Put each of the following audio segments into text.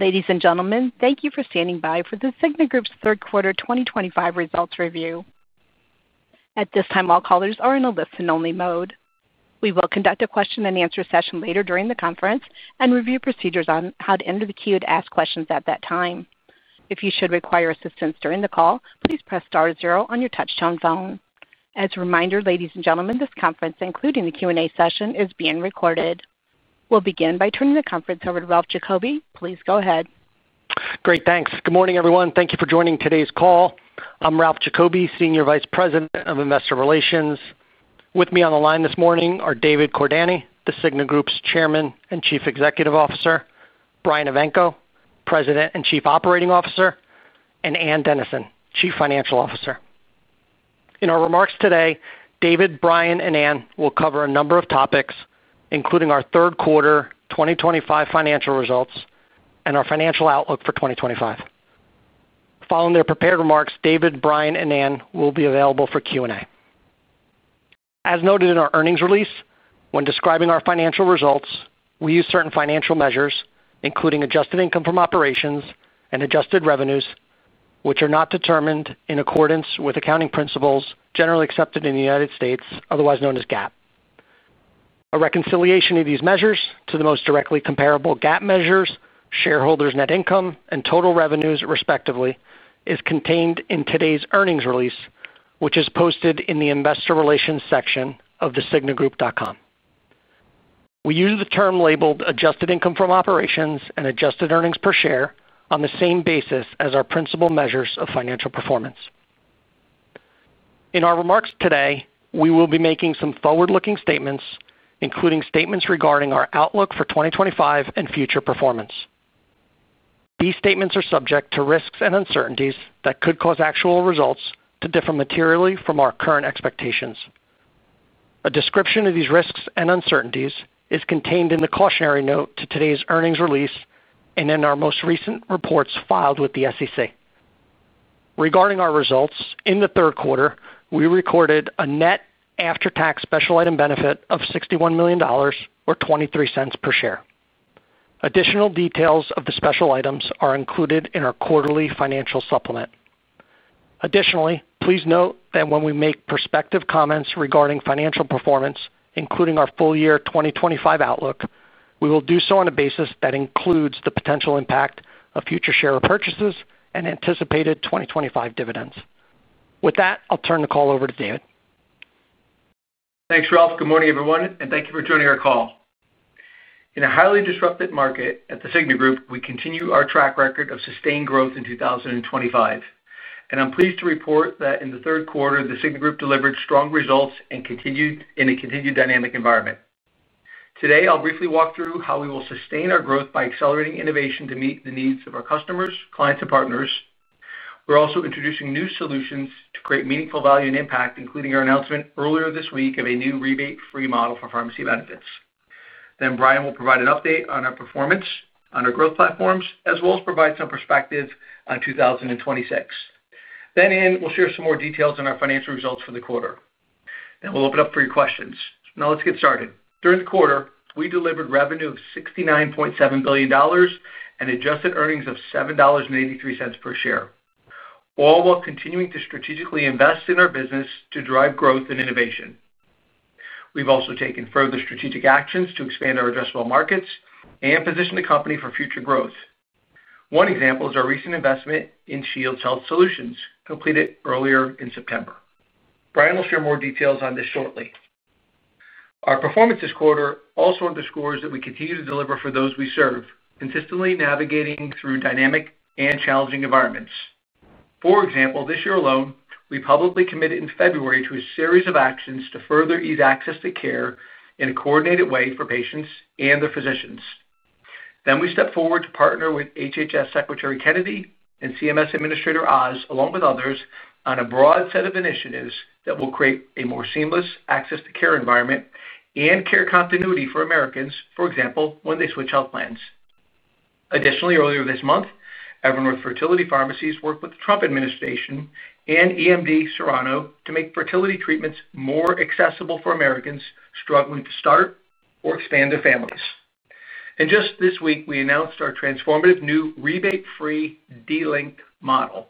Ladies and gentlemen, thank you for standing by for The Cigna Group's third quarter 2025 results review. At this time, all callers are in a listen-only mode. We will conduct a question and answer session later during the conference and review procedures on how to enter the queue to ask questions at that time. If you should require assistance during the call, please press star zero on your touchtone phone. As a reminder, ladies and gentlemen, this conference, including the Q&A session, is being recorded. We'll begin by turning the conference over to Ralph Giacobbe. Please go ahead. Great, thanks. Good morning everyone. Thank you for joining today's call. I'm Ralph Giacobbe, Senior Vice President of Investor Relations. With me on the line this morning are David Cordani, The Cigna Group's Chairman and Chief Executive Officer, Brian Evanko, President and Chief Operating Officer, and Ann Dennison, Chief Financial Officer. In our remarks today, David, Brian, and Ann will cover a number of topics including our third quarter 2025 financial results and our financial outlook for 2025. Following their prepared remarks, David, Brian, and Ann will be available for Q and A. As noted in our earnings release, when describing our financial results, we use certain financial measures including adjusted income from operations and adjusted revenues which are not determined in accordance with accounting principles generally accepted in the United States, otherwise known as GAAP. A reconciliation of these measures to the most directly comparable GAAP measures, shareholders' net income and total revenues respectively, is contained in today's earnings release which is posted in the Investor Relations section of thecignagroup.com. We use the term labeled adjusted income from operations and adjusted earnings per share on the same basis as our principal measures of financial performance. In our remarks today we will be making some forward-looking statements including statements regarding our outlook for 2025 and future performance. These statements are subject to risks and uncertainties that could cause actual results to differ materially from our current expectations. A description of these risks and uncertainties is contained in the cautionary note to today's earnings release and in our most recent reports filed with the SEC regarding our results. In the third quarter, we recorded a net after-tax special item benefit of $61 million or $0.23 per share. Additional details of the special items are included in our quarterly financial supplement. Additionally, please note that when we make prospective comments regarding financial performance, including our full year 2025 outlook, we will do so on a basis that includes the potential impact of future share repurchases and anticipated 2025 dividends. With that, I'll turn the call over to David. Thanks, Ralph. Good morning, everyone, and thank you for joining our call. In a highly disruptive market at The Cigna Group, we continue our track record of sustained growth in 2025, and I'm pleased to report that in the third quarter The Cigna Group delivered strong results and continued in a continued dynamic environment. Today I'll briefly walk through how we will sustain our growth by accelerating innovation to meet the needs of our customers and clients. We're also introducing new solutions to create meaningful value and impact, including our announcement earlier this week of a new rebate-free model for pharmacy benefits. Brian will provide an update on our performance on our growth platforms as well as provide some perspective on 2026. Ann will share some more details on our financial results for the quarter. We'll open up for your questions. Now let's get started. During the quarter, we delivered revenue of $69.7 billion and adjusted earnings of $7.83 per share, all while continuing to strategically invest in our business to drive growth and innovation. We've also taken further strategic actions to expand our addressable markets and position the company for future growth. One example is our recent investment in Shields Health Solutions, completed earlier in September. Brian will share more details on this shortly. Our performance this quarter also underscores that we continue to deliver for those we serve, consistently navigating through dynamic and challenging environments. For example, this year alone, we publicly committed in February to a series of actions to further ease access to care in a coordinated way for patients and their physicians. We stepped forward to partner with HHS Secretary Kennedy and CMS Administrator Oz, along with others, on a broad set of initiatives that will create a more seamless access to care environment and care continuity for Americans, for example, when they switch health plans. Additionally, earlier this month, Evernorth Fertility Pharmacies worked with the Trump administration and EMD Serrano to make fertility treatments more accessible for Americans struggling to start or expand their families. Just this week, we announced our transformative new rebate-free, delinked model.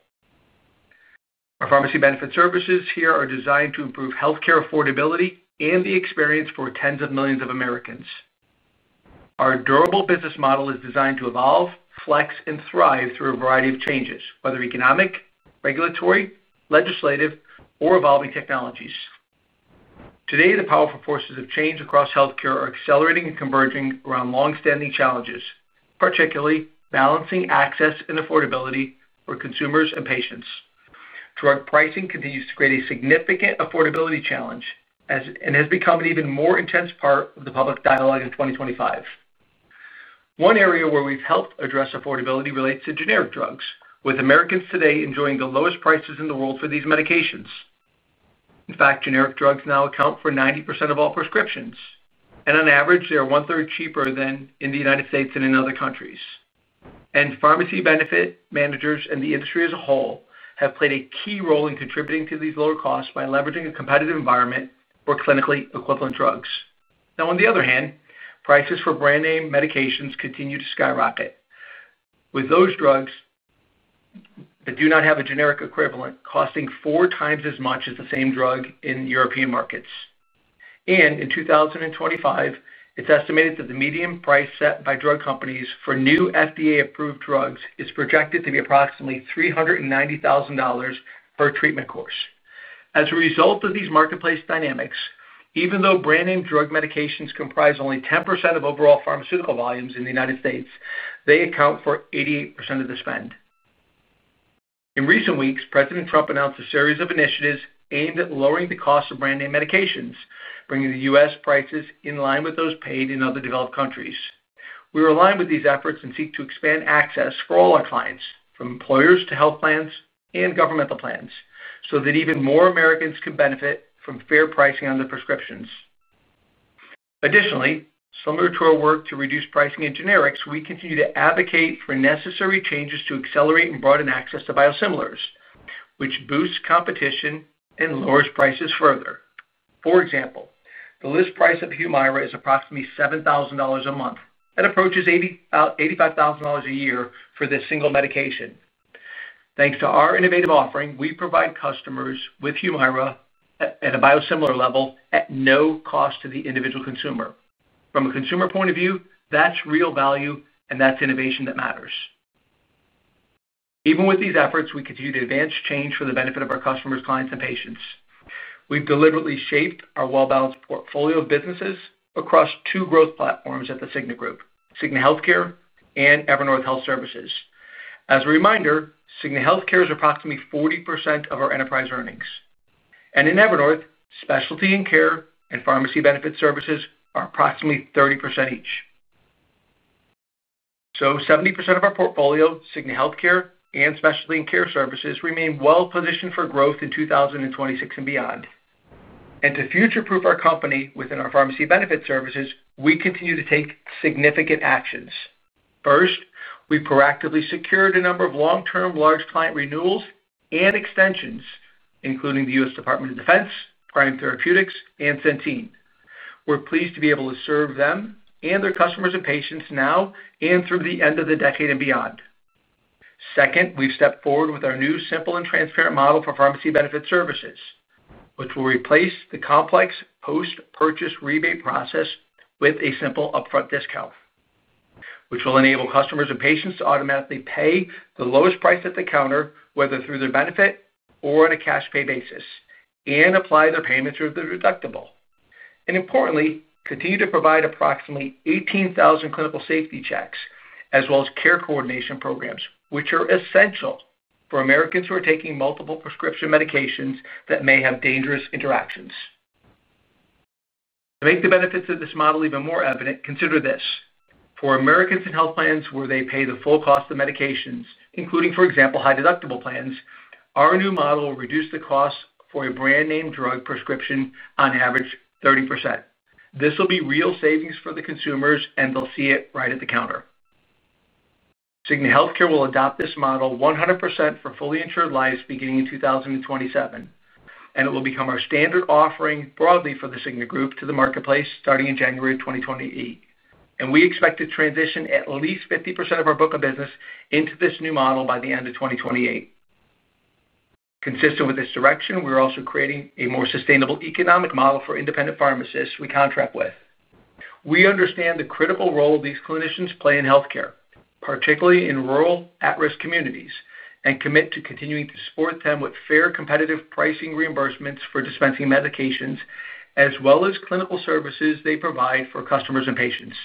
Our pharmacy benefit services here are designed to improve healthcare affordability and the experience for tens of millions of Americans. Our durable business model is designed to evolve, flex, and thrive through a variety of changes, whether economic, regulatory, legislative, or evolving technologies. Today, the powerful forces of change across healthcare are accelerating and converging around long-standing challenges, particularly balancing access and affordability for consumers and patients. Drug pricing continues to create a significant affordability challenge and has become an even more intense part of the public dialogue in 2025. One area where we've helped address affordability relates to generic drugs, with Americans today enjoying the lowest prices in the world for these medications. In fact, generic drugs now account for 90% of all prescriptions, and on average they are one third cheaper in the United States than in other countries. Pharmacy benefit managers and the industry as a whole have played a key role in contributing to these lower costs by leveraging a competitive environment for clinically equivalent drugs. On the other hand, prices for brand name medications continue to skyrocket, with those drugs that do not have a generic equivalent costing four times as much as the same drug in European markets. In 2025, it's estimated that the median price set by drug companies for new FDA-approved drugs is projected to be approximately $390,000 for a treatment course. As a result of these marketplace dynamics, even though brand name drug medications comprise only 10% of overall pharmaceutical volumes in the United States, they account for 88% of the spend. In recent weeks, President Trump announced a series of initiatives aimed at lowering the cost of brand name medications, bringing the U.S. prices in line with those paid in other developed countries. We are aligned with these efforts and seek to expand access for all our clients, from employers to health plans and governmental plans, so that even more Americans can benefit from fair pricing on their prescriptions. Additionally, similar to our work to reduce pricing in generics, we continue to advocate for necessary changes to accelerate and broaden access to biosimilars, which boosts competition and lowers prices further. For example, the list price of Humira is approximately $7,000 a month. That approaches $85,000 a year for this single medication. Thanks to our innovative offering, we provide customers with Humira at a biosimilar level at no cost to the individual consumer. From a consumer point of view, that's real value and that's innovation that matters. Even with these efforts, we continue to advance change for the benefit of our customers, clients, and patients. We've deliberately shaped our well-balanced portfolio of businesses across two growth platforms at The Cigna Group, Cigna Healthcare, and Evernorth Health Services. As a reminder, Cigna Healthcare is approximately 40% of our enterprise earnings, and in Evernorth, specialty and care and pharmacy benefit services are approximately 30% each. 70% of our portfolio, Cigna Healthcare and specialty and care services, remain well positioned for growth in 2026 and beyond. To future proof our company within our pharmacy benefit services, we continue to take significant actions. First, we proactively secured a number of long-term large client renewals and extensions, including the U.S. Department of Defense, Prime Therapeutics, and Centene. We're pleased to be able to serve them and their customers and patients now and through the end of the decade and beyond. Second, we've stepped forward with our new simple and transparent model for pharmacy benefit services, which will replace the complex post-purchase rebate process with a simple upfront discount, which will enable customers and patients to automatically pay the lowest price at the counter, whether through their benefit or on a cash pay basis, and apply their payments toward the deductible, and importantly, continue to provide approximately 18,000 clinical safety checks as well as care coordination programs, which are essential for Americans who are taking multiple prescription medications that may have dangerous interactions. To make the benefits of this model even more evident, consider this: For Americans in health plans where they pay the full cost of medications, including, for example, high deductible plans, our new model will reduce the cost for a brand name drug prescription on average 30%. This will be real savings for the consumers, and they'll see it right at the counter. Cigna Healthcare will adopt this model 100% for fully insured lives beginning in 2027, and it will become our standard offering broadly for The Cigna Group to the marketplace starting in January of 2028, and we expect to transition at least 50% of our book of business into this new model by the end of 2028. Consistent with this direction, we are also creating a more sustainable economic model for independent pharmacists we contract with. We understand the critical role these clinicians play in healthcare, particularly in rural at-risk communities, and commit to continuing to support them with fair, competitive pricing reimbursements for dispensing medications as well as clinical services they provide for customers and patients.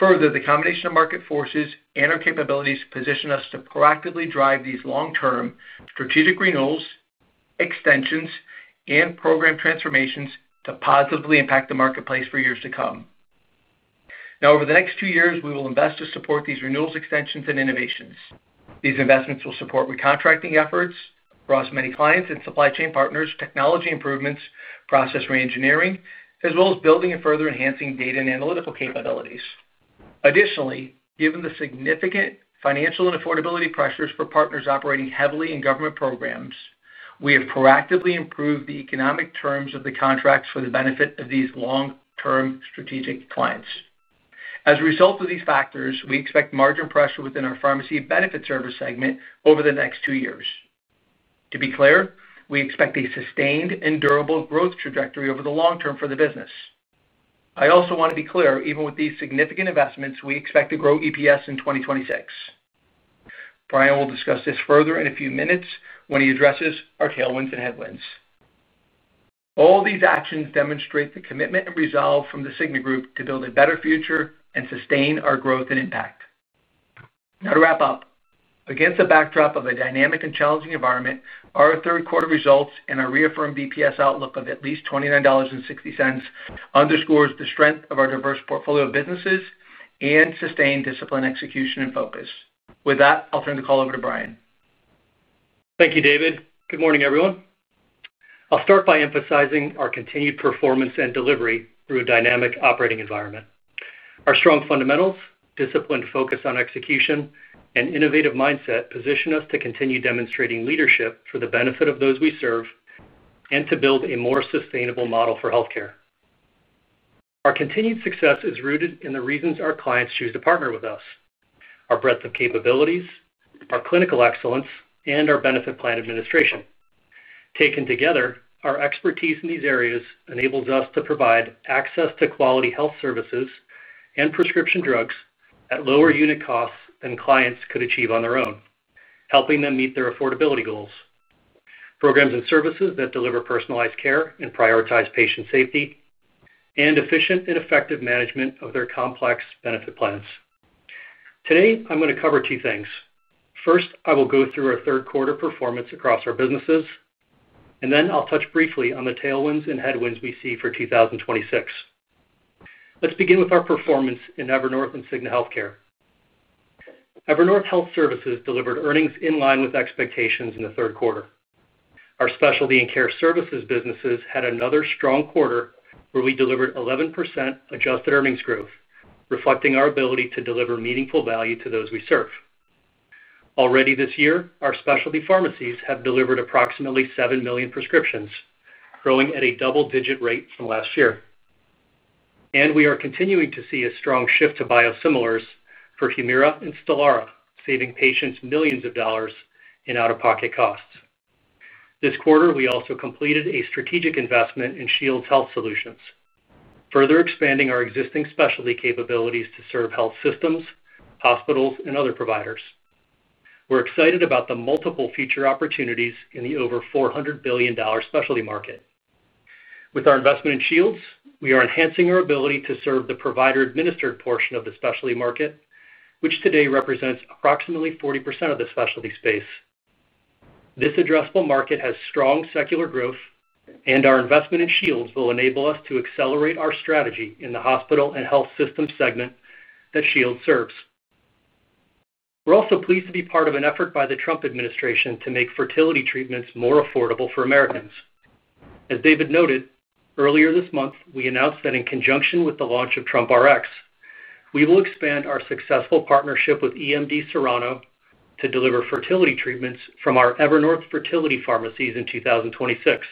Further, the combination of market forces and our capabilities position us to proactively drive these long-term strategic renewals, extensions, and program transformations to positively impact the marketplace for years to come. Over the next two years, we will invest to support these renewals, extensions, and innovations. These investments will support recontracting efforts across many clients and supply chain partners, technology improvements, process reengineering, as well as building and further enhancing data and analytical capabilities. Additionally, given the significant financial and affordability pressures for partners operating heavily in government programs, we have proactively improved the economic terms of the contracts for the benefit of these long-term strategic clients. As a result of these factors, we expect margin pressure within our pharmacy benefit services segment over the next two years. To be clear, we expect a sustained and durable growth trajectory over the long term for the business. I also want to be clear, even with these significant investments, we expect to grow EPS in 2026. Brian will discuss this further in a few minutes when he addresses our tailwinds and headwinds. All these actions demonstrate the commitment and resolve from The Cigna Group to build a better future and sustain our growth and impact. To wrap up, against the backdrop of a dynamic and challenging environment, our third quarter results and our reaffirmed EPS outlook of at least $29.60 underscore the strength of our diverse portfolio of businesses and sustained, disciplined execution and focus. With that, I'll turn the call over to Brian. Thank you, David. Good morning everyone. I'll start by emphasizing our continued performance and delivery through a dynamic operating environment. Our strong fundamentals, disciplined focus on execution, and innovative mindset position us to continue demonstrating leadership for the benefit of those we serve and to build a more sustainable model for healthcare. Our continued success is rooted in the reasons our clients choose to partner with us, our breadth of capabilities, our clinical excellence, and our benefit plan administration. Taken together, our expertise in these areas enables us to provide access to quality health services and prescription drugs at lower unit costs than clients could achieve on their own, helping them meet their affordability goals, programs, and services that deliver personalized care and prioritize patient safety and efficient and effective management of their complex benefit plans. Today I'm going to cover two things. First, I will go through our third quarter performance across our businesses, and then I'll touch briefly on the tailwinds and headwinds we see for 2026. Let's begin with our performance in Evernorth and Cigna Healthcare. Evernorth Health Services delivered earnings in line with expectations. In the third quarter, our specialty and care services businesses had another strong quarter where we delivered 11% adjusted earnings growth, reflecting our ability to deliver meaningful value to those we serve. Already this year, our specialty pharmacies have delivered approximately seven million prescriptions, growing at a double-digit rate from last year, and we are continuing to see a strong shift to biosimilars for Humira and Stelara, saving patients millions of dollars in out-of-pocket costs. This quarter, we also completed a strategic investment in Shields Health Solutions, further expanding our existing specialty capabilities to serve health systems, hospitals, and other providers. We're excited about the multiple future opportunities in the over $400 billion specialty market. With our investment in Shields, we are enhancing our ability to serve the provider-administered portion of the specialty market, which today represents approximately 40% of the specialty space. This addressable market has strong secular growth, and our investment in Shields will enable us to accelerate our strategy in the hospital and health systems segment that Shields serves. We're also pleased to be part of an effort by the Trump administration to make fertility treatments more affordable for Americans. As David noted earlier this month, we announced that in conjunction with the launch of TrumpRx, we will expand our successful partnership with EMD Serono to deliver fertility treatments from our Evernorth fertility pharmacies in 2026,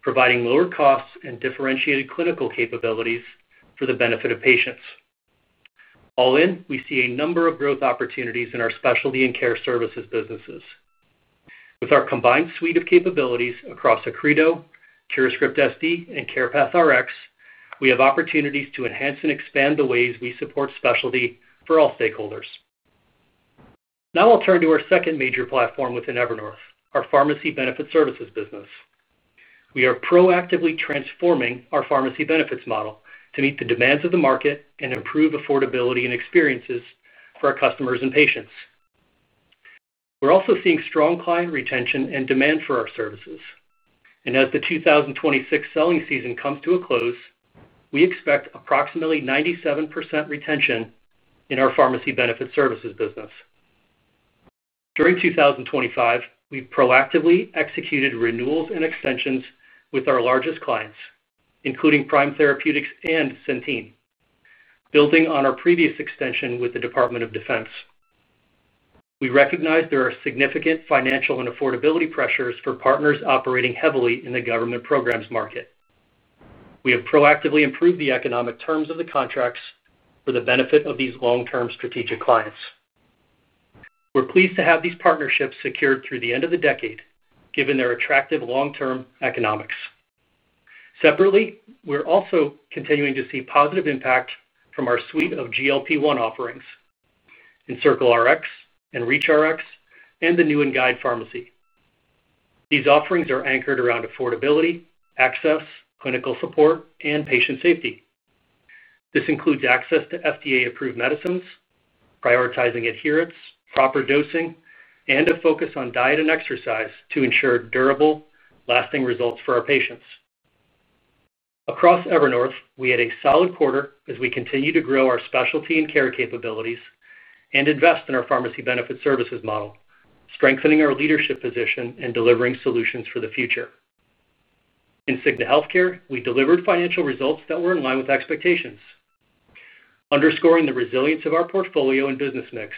providing lower costs and differentiated clinical capabilities for the benefit of patients. All in, we see a number of growth opportunities in our specialty and care services businesses. With our combined suite of capabilities across Accredo, CuraScript SD, and CarepathRx, we have opportunities to enhance and expand the ways we support specialty for all stakeholders. Now I'll turn to our second major platform within Evernorth, our pharmacy benefit services business. We are proactively transforming our pharmacy benefits model to meet the demands of the market and improve affordability and experiences for our customers and patients. We're also seeing strong client retention and demand for our services, and as the 2026 selling season comes to a close, we expect approximately 97% retention in our pharmacy benefit services business. During 2025, we proactively executed renewals and extensions with our largest clients including Prime Therapeutics and Centene. Building on our previous extension with the U.S. Department of Defense, we recognize there are significant financial and affordability pressures for partners operating heavily in the government programs market. We have proactively improved the economic terms of the contracts for the benefit of these long-term strategic clients. We're pleased to have these partnerships secured through the end of the decade given their attractive long-term economics. Separately, we're also continuing to see positive impact from our suite of GLP-1 offerings, EncircleRx and ReachRx, and the new Guide Pharmacy. These offerings are anchored around affordability, access, clinical support, and patient safety. This includes access to FDA-approved medicines, prioritizing adherence, proper dosing, and a focus on diet and exercise to ensure durable, lasting results for our patients. Across Evernorth, we had a solid quarter as we continue to grow our specialty and care capabilities and invest in our pharmacy benefit services model, strengthening our leadership position and delivering solutions for the future. In Cigna Healthcare, we delivered financial results that were in line with expectations, underscoring. The resilience of our portfolio and business mix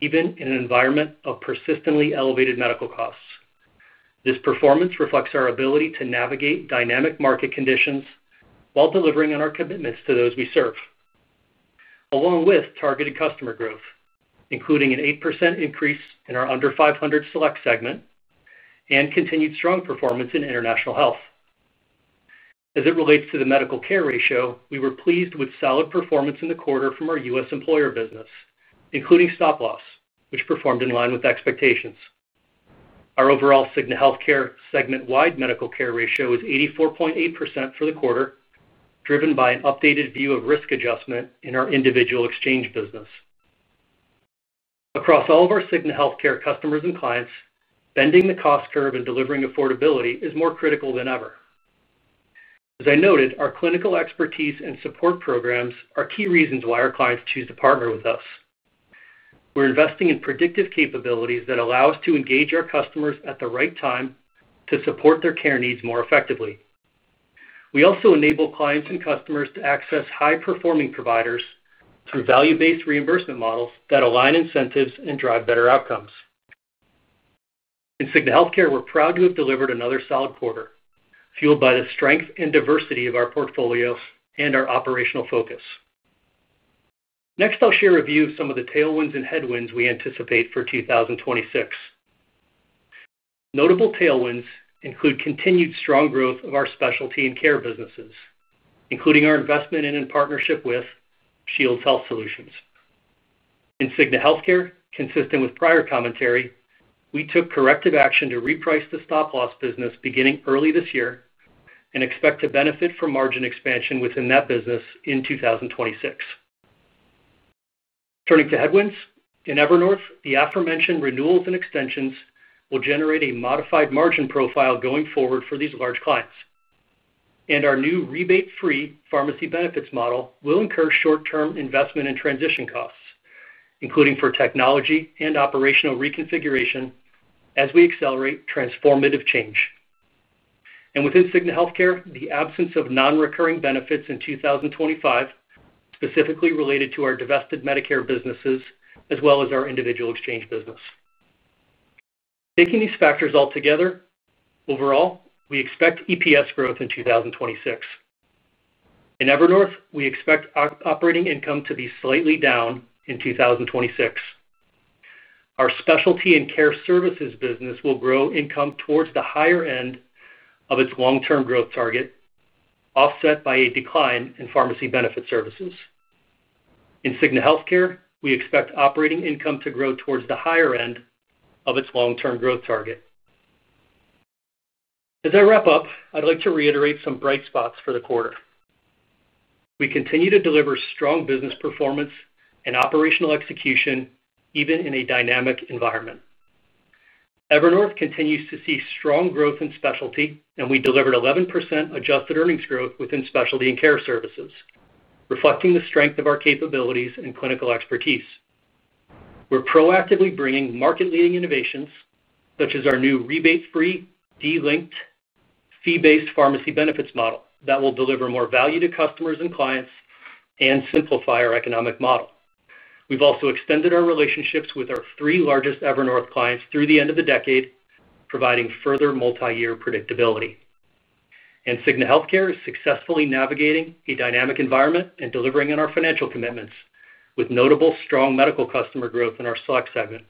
even in an environment of persistently elevated medical costs. This performance reflects our ability to navigate dynamic market conditions while delivering on our commitments to those we serve, along with targeted customer growth, including an 8% increase in our under 500 Select segment and continued strong performance in international health as it relates to the medical care ratio. We were pleased with solid performance in the quarter from our U.S. employer business, including Stop-Loss which performed in line with expectations. Our overall Cigna Healthcare segment wide medical care ratio was 84.8% for the quarter, driven by an updated view of risk adjustment in our individual exchange business. Across all of our Cigna Healthcare customers and clients, bending the cost curve and delivering affordability is more critical than ever. As I noted, our clinical expertise and support programs are key reasons why our clients choose to partner with us. We're investing in predictive capabilities that allow us to engage our customers at the right time to support their care needs more effectively. We also enable clients and customers to access high-performing providers through value-based reimbursement models that align incentives and drive better outcomes. In Cigna Healthcare, we're proud to have delivered another solid quarter fueled by the strength and diversity of our portfolios and our operational focus. Next, I'll share a view of some of the tailwinds and headwinds we anticipate for 2026. Notable tailwinds include continued strong growth of our specialty and care businesses, including our investment in partnership with Shields Health Solutions in Cigna Healthcare. Consistent with prior commentary, we took corrective action to reprice the stop-loss business beginning early this year and expect to benefit from margin expansion within that business in 2026. Turning to headwinds in Evernorth, the aforementioned renewals and extensions will generate a modified margin profile going forward for these large clients, and our new rebate-free pharmacy benefits model will incur short-term investment and transition costs, including for technology and operational reconfiguration as we accelerate transformative change. Within Cigna Healthcare, the absence of non-recurring benefits in 2025 specifically related to our divested Medicare businesses as well as our individual exchange business. Taking these factors all together, overall we expect EPS growth in 2026. In Evernorth, we expect operating income to be slightly down in 2026. Our specialty and care services business will grow income towards the higher end of its long-term growth target, offset by a decline in pharmacy benefit services. In Cigna Healthcare, we expect operating income to grow towards the higher end of its long-term growth target. As I wrap up, I'd like to reiterate some bright spots for the quarter. We continue to deliver strong business performance and operational execution even in a dynamic environment. Evernorth continues to see strong growth in specialty, and we delivered 11% adjusted earnings growth within specialty and care services, reflecting the strength of our capabilities and clinical expertise. We're proactively bringing market-leading innovations such as our new rebate-free, delinked, fee-based pharmacy benefits model that will deliver more value to customers and clients and simplify our economic model. We've also extended our relationships with our three largest Evernorth clients through the end of the decade, providing further multi-year predictability, and Cigna Healthcare is successfully navigating a dynamic environment and delivering on our financial commitments with notable strong medical customer growth in our Select segment.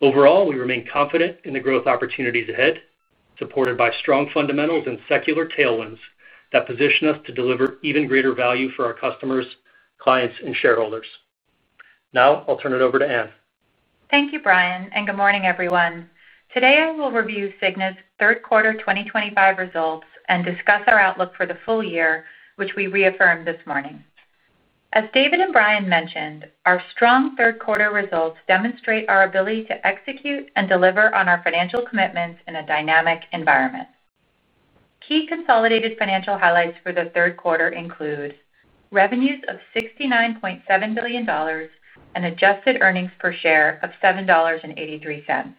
Overall, we remain confident in the growth opportunities ahead, supported by strong fundamentals and secular tailwinds that position us to deliver even greater value for our customers, clients, and shareholders. Now I'll turn it over to Ann. Thank you, Brian, and good morning, everyone. Today I will review The Cigna Group's third quarter 2025 results and discuss our outlook for the full year, which we reaffirmed this morning. As David and Brian mentioned, our strong third quarter results demonstrate our ability to execute and deliver on our financial commitments in a dynamic environment. Key consolidated financial highlights for the third quarter include revenues of $69.7 billion and adjusted earnings per share of $7.83.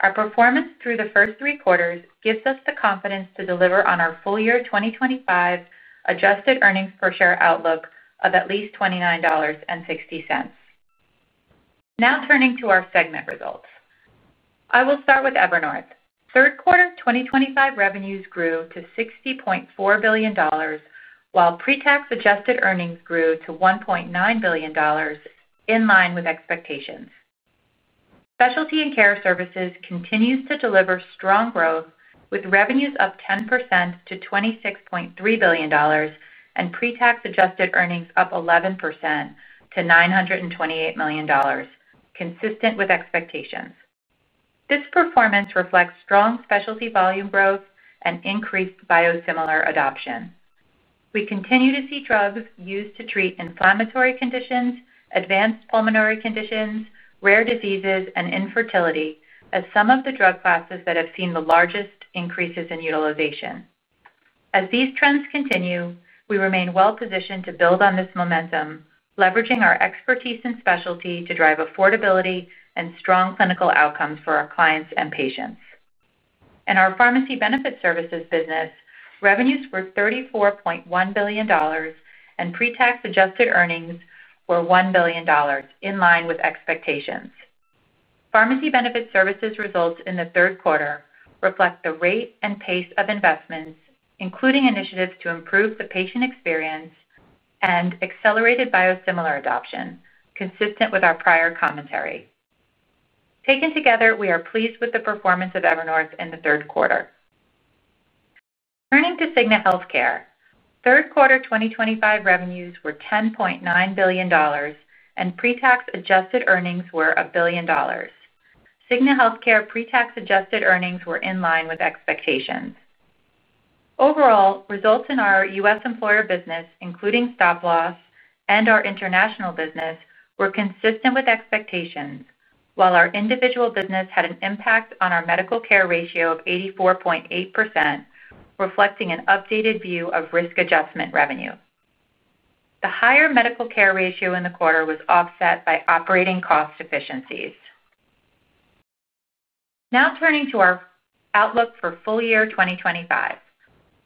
Our performance through the first three quarters gives us the confidence to deliver on our full year 2025 adjusted earnings per share outlook of at least $29.60. Now turning to our segment results, I will start with Evernorth. Third quarter 2025 revenues grew to $60.4 billion, while pre-tax adjusted earnings grew to $1.9 billion, in line with expectations. Specialty and care services continues to deliver strong growth, with revenues up 10% to $26.3 billion and pre-tax adjusted earnings up 11% to $928 million. Consistent with expectations, this performance reflects strong specialty volume growth and increased biosimilar adoption. We continue to see drugs used to treat inflammatory conditions, advanced pulmonary conditions, rare diseases, and infertility as some of the drug classes that have seen the largest increases in utilization. As these trends continue, we remain well positioned to build on this momentum, leveraging our expertise in specialty to drive affordability and strong clinical outcomes for our clients and patients. In our pharmacy benefit services business, revenues were $34.1 billion and pre-tax adjusted earnings were $1 billion, in line with expectations. Pharmacy benefit services results in the third quarter reflect the rate and pace of investments, including initiatives to improve the patient experience and accelerated biosimilar adoption, consistent with our prior commentary. Taken together, we are pleased with the performance of Evernorth in the third quarter. Turning to Cigna Healthcare, third quarter 2025 revenues were $10.9 billion and pre-tax adjusted earnings were $1 billion. Cigna Healthcare pre-tax adjusted earnings were in line with expectations. Overall results in our U.S. Employer business, including Stop-Loss, and our international business were consistent with expectations, while our individual business had an impact on our medical care ratio of 84.8%. Reflecting an updated view of risk adjustment revenue, the higher medical care ratio in the quarter was offset by operating cost efficiencies. Now turning to our outlook for full year 2025,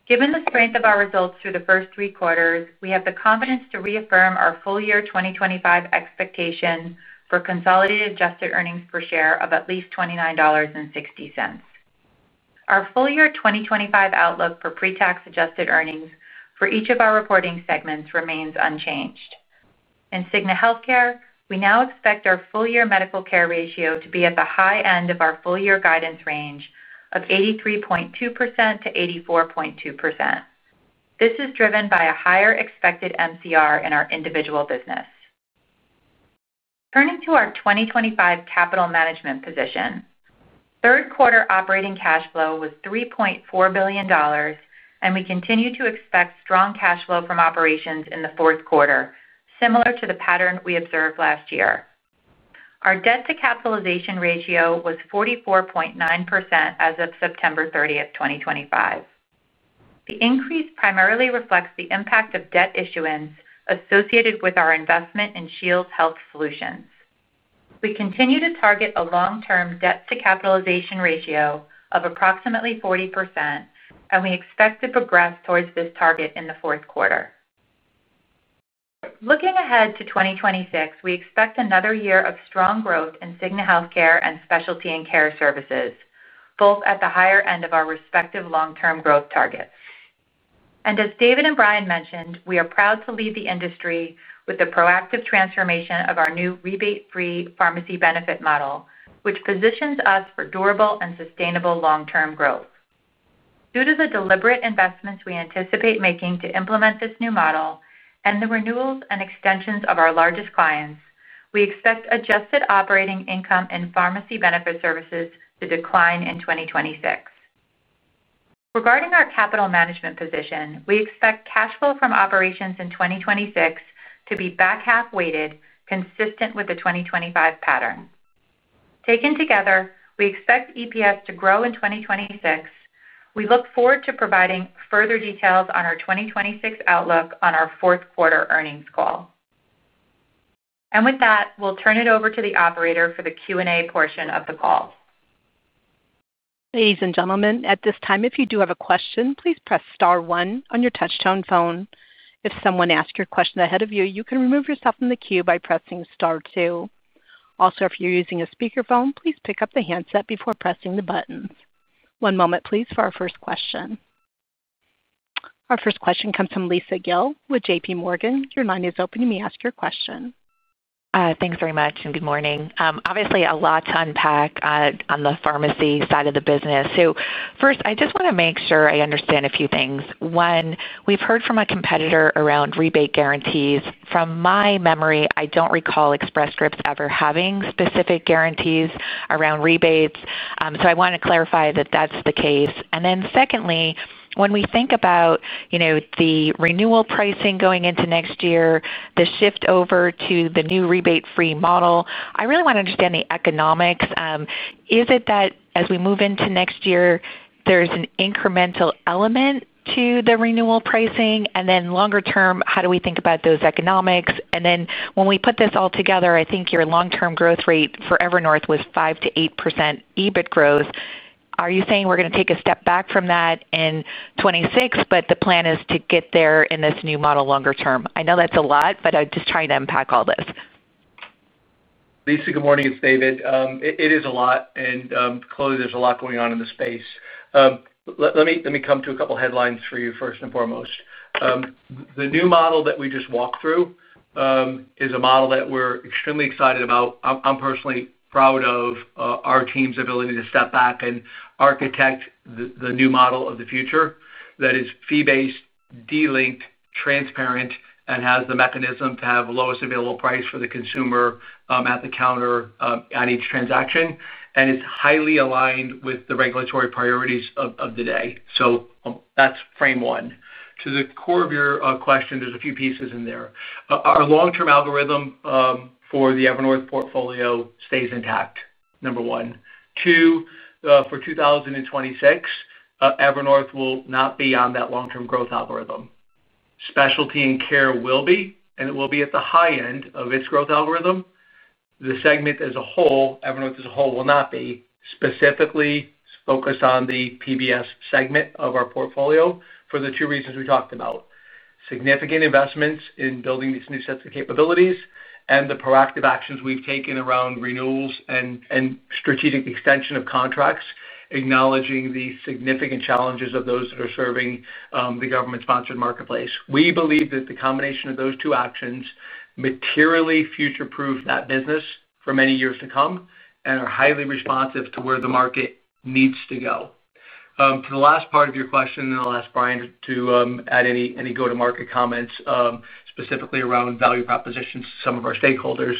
given the strength of our results through the first three quarters, we have the confidence to reaffirm our full year 2025 expectation for consolidated adjusted EPS of at least $29.60. Our full year 2025 outlook for pre-tax adjusted earnings for each of our reporting segments remains unchanged in Cigna Healthcare. We now expect our full year medical care ratio to be at the high end of our full year guidance range of 83.2%-84.2%. This is driven by a higher expected MCR in our individual business. Turning to our 2025 capital management position, third quarter operating cash flow was $3.4 billion and we continue to expect strong cash flow from operations in the fourth quarter. Similar to the pattern we observed last year, our debt to capitalization ratio was 44.9% as of September 30th, 2025. The increase primarily reflects the impact of debt issuance associated with our investment in Shields Health Solutions. We continue to target a long-term debt to capitalization ratio of approximately 40% and we expect to progress towards this target in the fourth quarter. Looking ahead to 2026, we expect another year of strong growth in Cigna Healthcare and specialty and care services both at the higher end of our respective long-term growth targets. As David and Brian mentioned, we are proud to lead the industry with the proactive transformation of our new rebate-free, delinked pharmacy benefits model which positions us for durable and sustainable long-term growth. Due to the deliberate investments we anticipate making to implement this new model and the renewals and extensions of our largest clients, we expect adjusted operating income in pharmacy benefit services to decline in 2026. Regarding our capital management position, we expect cash flow from operations in 2026 to be back half weighted consistent with the 2025 pattern. Taken together, we expect EPS to grow in 2026. We look forward to providing further details on our 2026 outlook on our fourth quarter earnings call and with that we'll turn it over to the operator for the Q&A portion of the call. Ladies and gentlemen, at this time, if you do have a question, please press star one on your touchtone phone. If someone asks your question ahead of you, you can remove yourself from the queue by pressing star 2. Also, if you're using a speakerphone, please pick up the handset before pressing the buttons. One moment please for our first question. Our first question comes from Lisa Gill with JPMorgan. Your line is open, you may ask your question. Thanks very much and good morning. Obviously, a lot to unpack on the pharmacy side of the business. First, I just want to make sure I understand a few things. One, we've heard from a competitor around rebate guarantees. From my memory, I don't recall Express Scripts ever having specific guarantees around rebates. I want to clarify that that's the case. Secondly, when we think about the renewal pricing going into next year. The shift over to the new rebate-free, delinked pharmacy benefits model. Free model, I really want to understand the economics. Is it that as we move into next year, there's an incremental element to the renewal pricing, and then longer term, how do we think about those economics? When we put this all together, I think your long term growth rate for Evernorth was 5%-8% EBIT growth. Are you saying we're going to take a step back from that in 2026, but the plan is to get there in this new model longer term? I know that's a lot, but I'm just trying to unpack all this. Lisa, good morning, it's David. It is a lot and clearly there's a lot going on in the space. Let me come to a couple headlines for you. First and foremost, the new model that we just walked through is a model that we're extremely excited about. I'm personally proud of our team's ability to step back and architect the new model of the future that is fee based, delinked, transparent, and has the mechanism to have lowest available price for the consumer at the counter on each transaction. It's highly aligned with the regulatory priorities of the day. That's frame one to the core of your question. There's a few pieces in there. Our long-term algorithm for the Evernorth portfolio stays intact. Number one, two, for 2026, Evernorth will not be on that long-term growth algorithm. Specialty and care will be, and it will be at the high end of its growth algorithm. The segment as a whole, Evernorth as a whole, will not be, specifically focused on the pharmacy benefit services segment of our portfolio for the two reasons we talked about. Significant investments in building these new sets of capabilities and the proactive actions we've taken around renewals and strategic extension of contracts, acknowledging the significant challenges of those that are serving the government-sponsored marketplace. We believe that the combination of those two actions materially future-proof that business for many years to come and are highly responsive to where the market needs to go. To the last part of your question, I'll ask Brian to add any go-to-market comments specifically around value propositions to some of our stakeholders.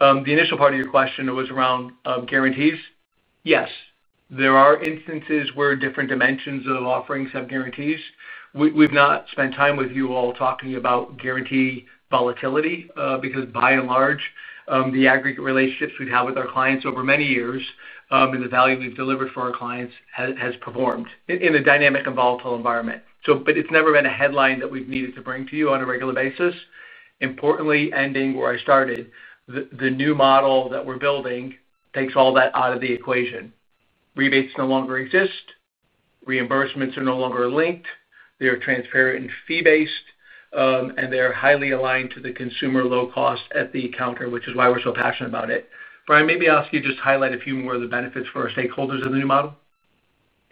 The initial part of your question was around guarantees. Yes, there are instances where different dimensions of offerings have guarantees. We've not spent time with you all talking about guarantee volatility because by and large the aggregate relationships we've had with our clients over many years and the value we've delivered for our clients has performed in a dynamic and volatile environment. It's never been a headline that we've needed to bring to you on a regular basis. Importantly, ending where I started, the new model that we're building takes all that out of the equation. Rebates no longer exist. Reimbursements are no longer linked. They are transparent and fee based, and they're highly aligned to the consumer. Low cost at the counter, which is why we're so passionate about it. Brian, maybe I'll ask you to just highlight a few more of the benefits for our stakeholders in the new model.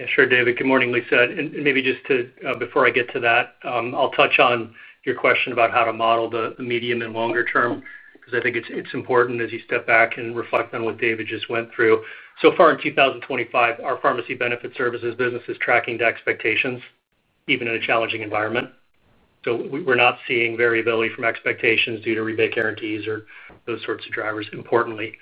Yeah, sure David. Good morning, Lisa. Maybe just to before I get to that, I'll touch on your question about how to model the medium and longer term because I think it's important as you step back and reflect on what David just went through. So far in 2025, our pharmacy benefit services business is tracking to expectations even in a challenging environment. We're not seeing variability from expectations due to rebate guarantees or those sorts of drivers. Importantly,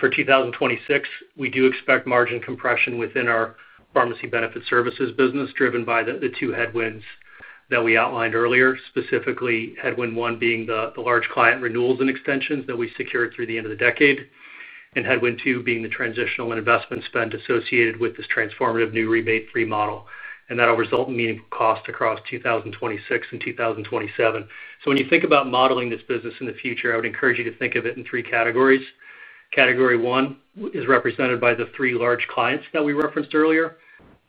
for 2026, we do expect margin compression within our pharmacy benefit services business driven by the two headwinds that we outlined earlier. Specifically, headwind one being the large client renewals and extensions that we secured through the end of the decade and headwind two being the transitional investment spend associated with this transformative new rebate-free model, and that will result in meaningful cost across 2026 and 2027. When you think about modeling this business in the future, I would encourage you to think of it in three categories. Category one is represented by the three large clients that we referenced earlier.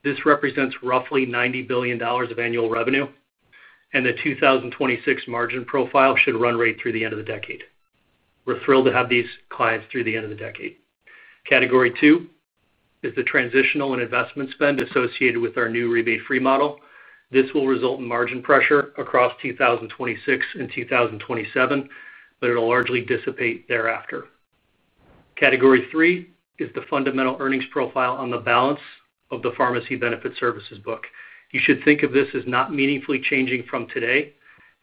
This represents roughly $90 billion of annual revenue, and the 2026 margin profile should run right through the end of the decade. We're thrilled to have these clients through the end of the decade. Category two is the transitional and investment spend associated with our new rebate-free model. This will result in margin pressure across 2026 and 2027, but it'll largely dissipate thereafter. Category three is the fundamental earnings profile on the balance of the pharmacy benefit services book. You should think of this as not meaningfully changing from today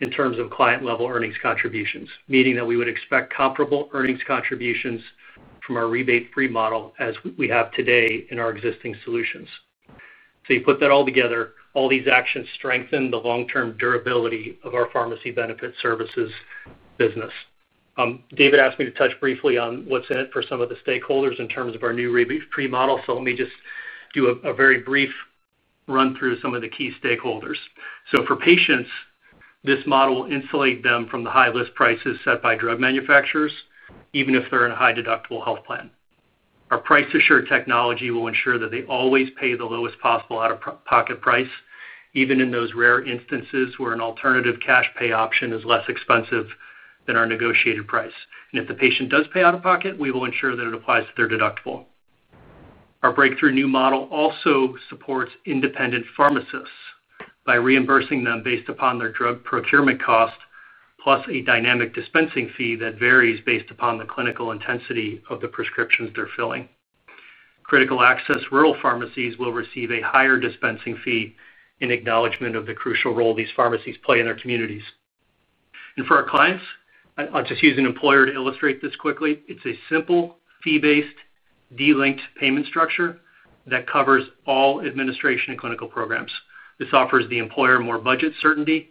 in terms of client level earnings contributions, meaning that we would expect comparable earnings contributions from our rebate-free model as we have today in our existing solutions. You put that all together, all these actions strengthen the long-term durability of our pharmacy benefit services business. David asked me to touch briefly on what's in it for some of the stakeholders in terms of our new rebate-free model. Let me just do a very brief run through some of the key stakeholders. For patients, this model will insulate them from the high list prices set by drug manufacturers, even if they're in a high deductible health plan. Our price assured technology will ensure that they always pay the lowest possible out-of-pocket price, even in those rare instances where an alternative cash pay option is less expensive than our negotiated price. If the patient does pay out of pocket, we will ensure that it applies to their deductible. Our breakthrough new model also supports independent pharmacists by reimbursing them based upon their drug procurement cost plus a dynamic dispensing fee that varies based upon the clinical intensity of the prescriptions they're filling. Critical access rural pharmacies will receive a higher dispensing fee in acknowledgement of the crucial role these pharmacies play in their communities and for our clients. I'll just use an employer to illustrate this quickly. It's a simple fee-based, delinked payment structure that covers all administration and clinical programs. This offers the employer more budget certainty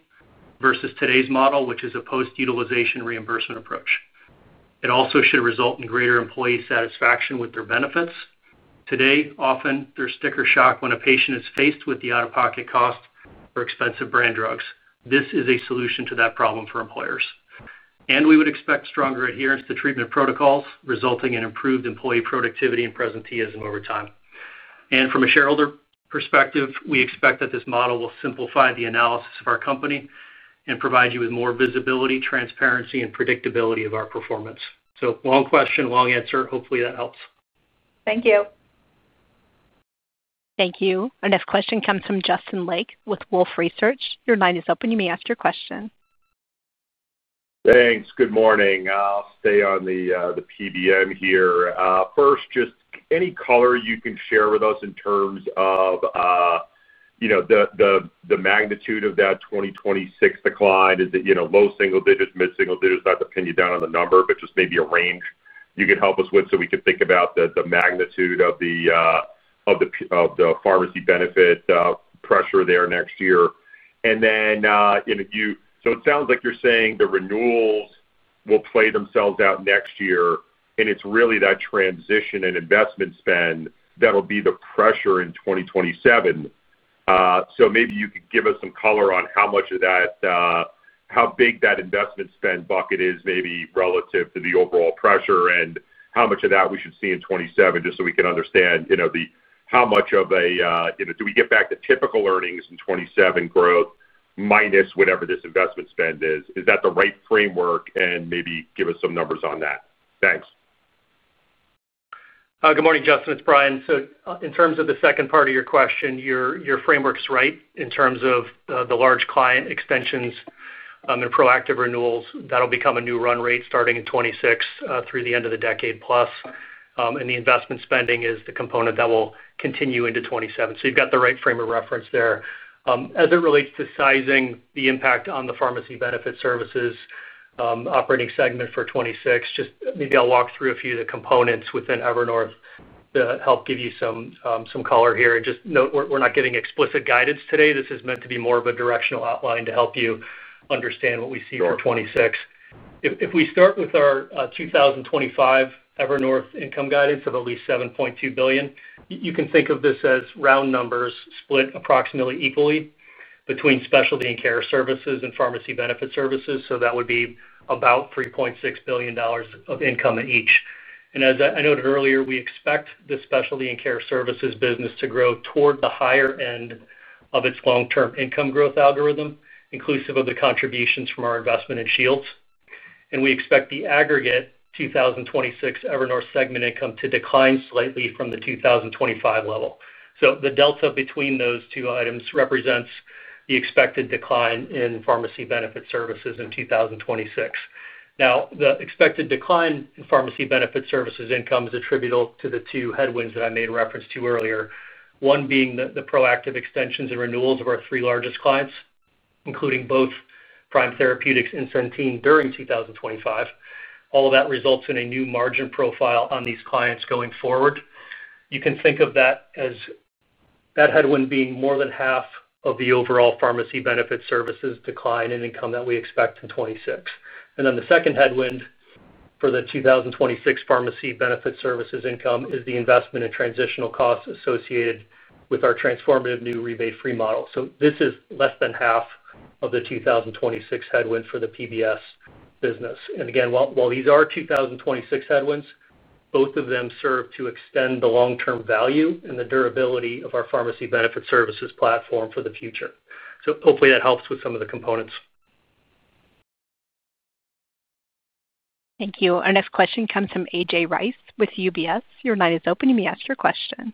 versus today's model, which is a post-utilization reimbursement approach. It also should result in greater employee satisfaction with their benefits. Today, often there's sticker shock when a patient is faced with the out-of-pocket cost or expensive brand drugs. This is a solution to that problem for employers, and we would expect stronger adherence to treatment protocols resulting in improved employee productivity and presenteeism over time. From a shareholder perspective, we expect that this model will simplify the analysis of our company and provide you with more visibility, transparency, and predictability of our performance. Long question, long answer. Hopefully that helps. Thank you. Thank you. Our next question comes from Justin Lake with Wolfe Research. Your line is open, you may ask your question. Thanks Good morning. I'll stay on the PBM here. First, just any color you can share with us in terms of the magnitude of that 2026 decline. Is it low single digits, mid single digits? Not depending down on the number, but just maybe a range you could help us with. We could think about the magnitude of the pharmacy benefit pressure there next year. It sounds like you're saying the renewals will play themselves out next year and it's really that transition and investment spend that'll be the pressure in 2027. Maybe you could give us some color on how much of that, how big that investment spend bucket is maybe relative to the overall pressure and how much of that we should see in 2027. We can understand how much of a do we get back to typical earnings in 2027 growth minus whatever this investment spend is. Is that the right framework and maybe give us some numbers on that. Thanks. Good morning Justin, it's Brian. In terms of the second part of your question, your framework is right in terms of the large client extensions and proactive renewals that'll become a new run rate starting in 2026 through the end of the decade plus, and the investment spending is the component that will continue into 2027. You've got the right frame of reference there as it relates to sizing the impact on the pharmacy benefit services operating segment for 2026. I'll walk through a few of the components within Evernorth to help give you some color here. Just note we're not giving explicit guidance today. This is meant to be more of a directional outline to help you understand what we see for 2026. If we start with our 2025 Evernorth income guidance of at least $7.2 billion, you can think of this as round numbers split approximately equally between specialty and care services and pharmacy benefit services. That would be about $3.6 billion of income at each. As I noted earlier, we expect the specialty and care services business to grow toward the higher end of its long-term income growth algorithm inclusive of the contributions from our investment in Shields. We expect the aggregate 2026 Evernorth segment income to decline slightly from the 2025 level. The delta between those two items represents the expected decline in pharmacy benefit services in 2026. The expected decline in pharmacy benefit services income is attributable to the two headwinds that I made reference to earlier. One being the proactive extensions and renewals of our three largest clients, including both Prime Therapeutics and Centene during 2025. All of that results in a new margin profile on these clients going forward. You can think of that as that headwind being more than half of the overall pharmacy benefit services decline in income that we expect in 2026. The second headwind for the 2026 pharmacy benefit services income is the investment in transitional costs associated with our transformative new rebate-free model. This is less than half of the 2026 headwind for the pharmacy benefit services business. While these are 2026 headwinds, both of them serve to extend the long-term value and the durability of our pharmacy benefit services platform for the future. Hopefully that helps with some of the components. Thank you. Our next question comes from A.J. Rice with UBS. Your line is open, you may ask your question.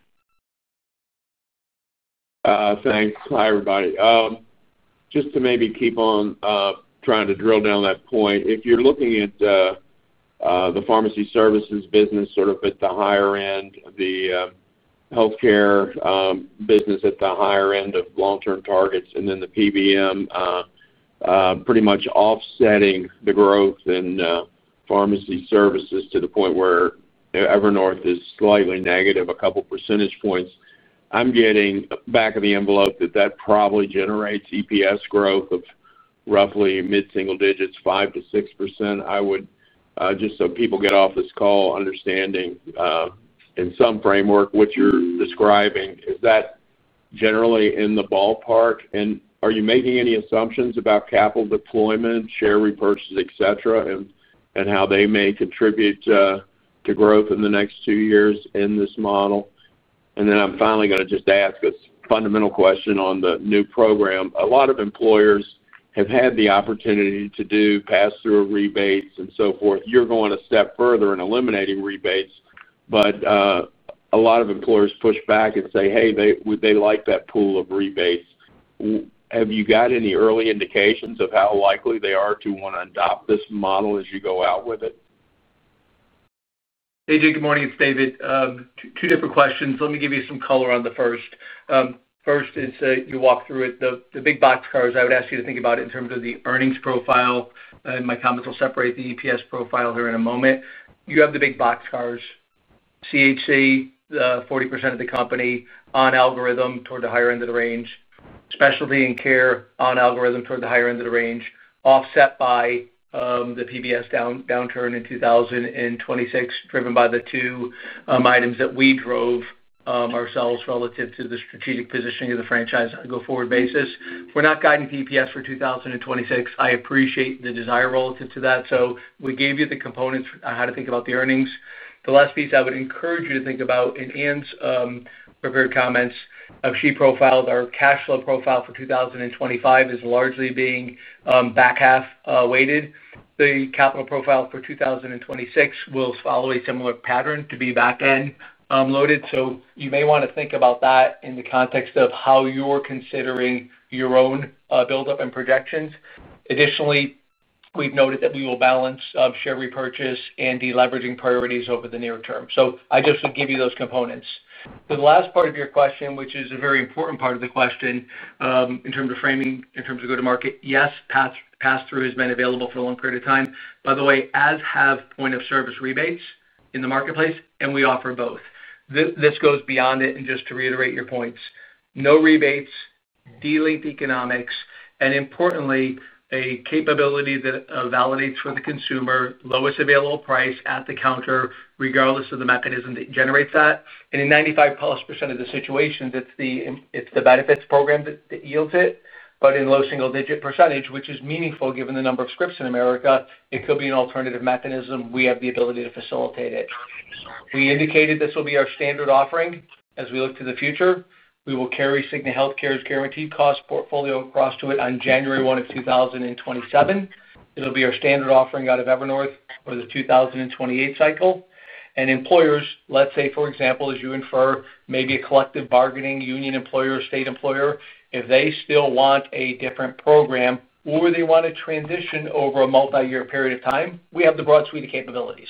Thanks. Hi everybody. Just to maybe keep on trying to drill down that point. If you're looking at the pharmacy services business sort of at the higher end, the healthcare business at the higher end of long term targets, and then the PBM pretty much offsetting the growth in pharmacy services to the point where Evernorth is slightly negative a couple percentage points. I'm getting back of the envelope that that probably generates EPS growth of roughly mid single digits, 5 to 6%. I would just so people get off this call understanding in some framework what you're describing, is that generally in the ballpark and are you making any assumptions about capital deployment, share repurchases, et cetera, and how they may contribute to growth in the next two years in this model? I'm finally going to just ask a fundamental question on the new program. A lot of employers have had the opportunity to do pass through rebates and so forth. You're going a step further in eliminating rebates. A lot of employers push back and say hey, they like that pool of rebates. Have you got any early indications of how likely they are to want to adopt this model as you go out with it? Hey Jay, good morning, it's David. Two different questions. Let me give you some color on the first. First is you walk through it. The big box cars. I would ask you to think about in terms of the earnings profile. My comments will separate the EPS profile here in a moment. You have the big boxcars. CHC 40% of the company on algorithm toward the higher end of the range. Specialty and care on algorithm toward the higher end of the range offset by the PBS downturn in 2026 driven by the two items that we drove ourselves relative to the strategic positioning of the franchise on a go forward basis. We're not guiding EPS for 2026. I appreciate the desire relative to that. We gave you the components on how to think about the earnings. The last piece I would encourage you to think about, in Ann's prepared comments she profiled our cash flow profile for 2025 as largely being back half weighted. The capital profile for 2026 will follow a similar pattern to be back end loaded. You may want to think about that in the context of how you're considering your own buildup and projections. Additionally, we've noted that we will balance share repurchase and deleveraging priorities over the near term. I just would give you those components. The last part of your question, which is a very important part of the question in terms of framing in terms of go to market. Yes, pass through has been available for a long period of time, by the way, as have point of service rebates in the marketplace and we offer both. This goes beyond it and just to reiterate your points, no rebates, delinked economics and importantly a capability that validates for the consumer lowest available price at the counter regardless of the mechanism that generates that. In 95+% of the situation it's the benefits program that yields it, but in low single digit percentage, which is meaningful given the number of scripts in America, it could be an alternative mechanism. We have the ability to facilitate it. We indicated this will be our standard offering as we look to the future. We will carry Cigna Healthcare's guaranteed cost portfolio across to it on January 1, 2027. It'll be our standard offering out of Evernorth for the 2028 cycle. Employers, let's say for example as you infer, maybe a collective bargaining union, employer, state employer, if they still want a different program or they want to transition over a multi-year period of time, we have the broad suite of capabilities.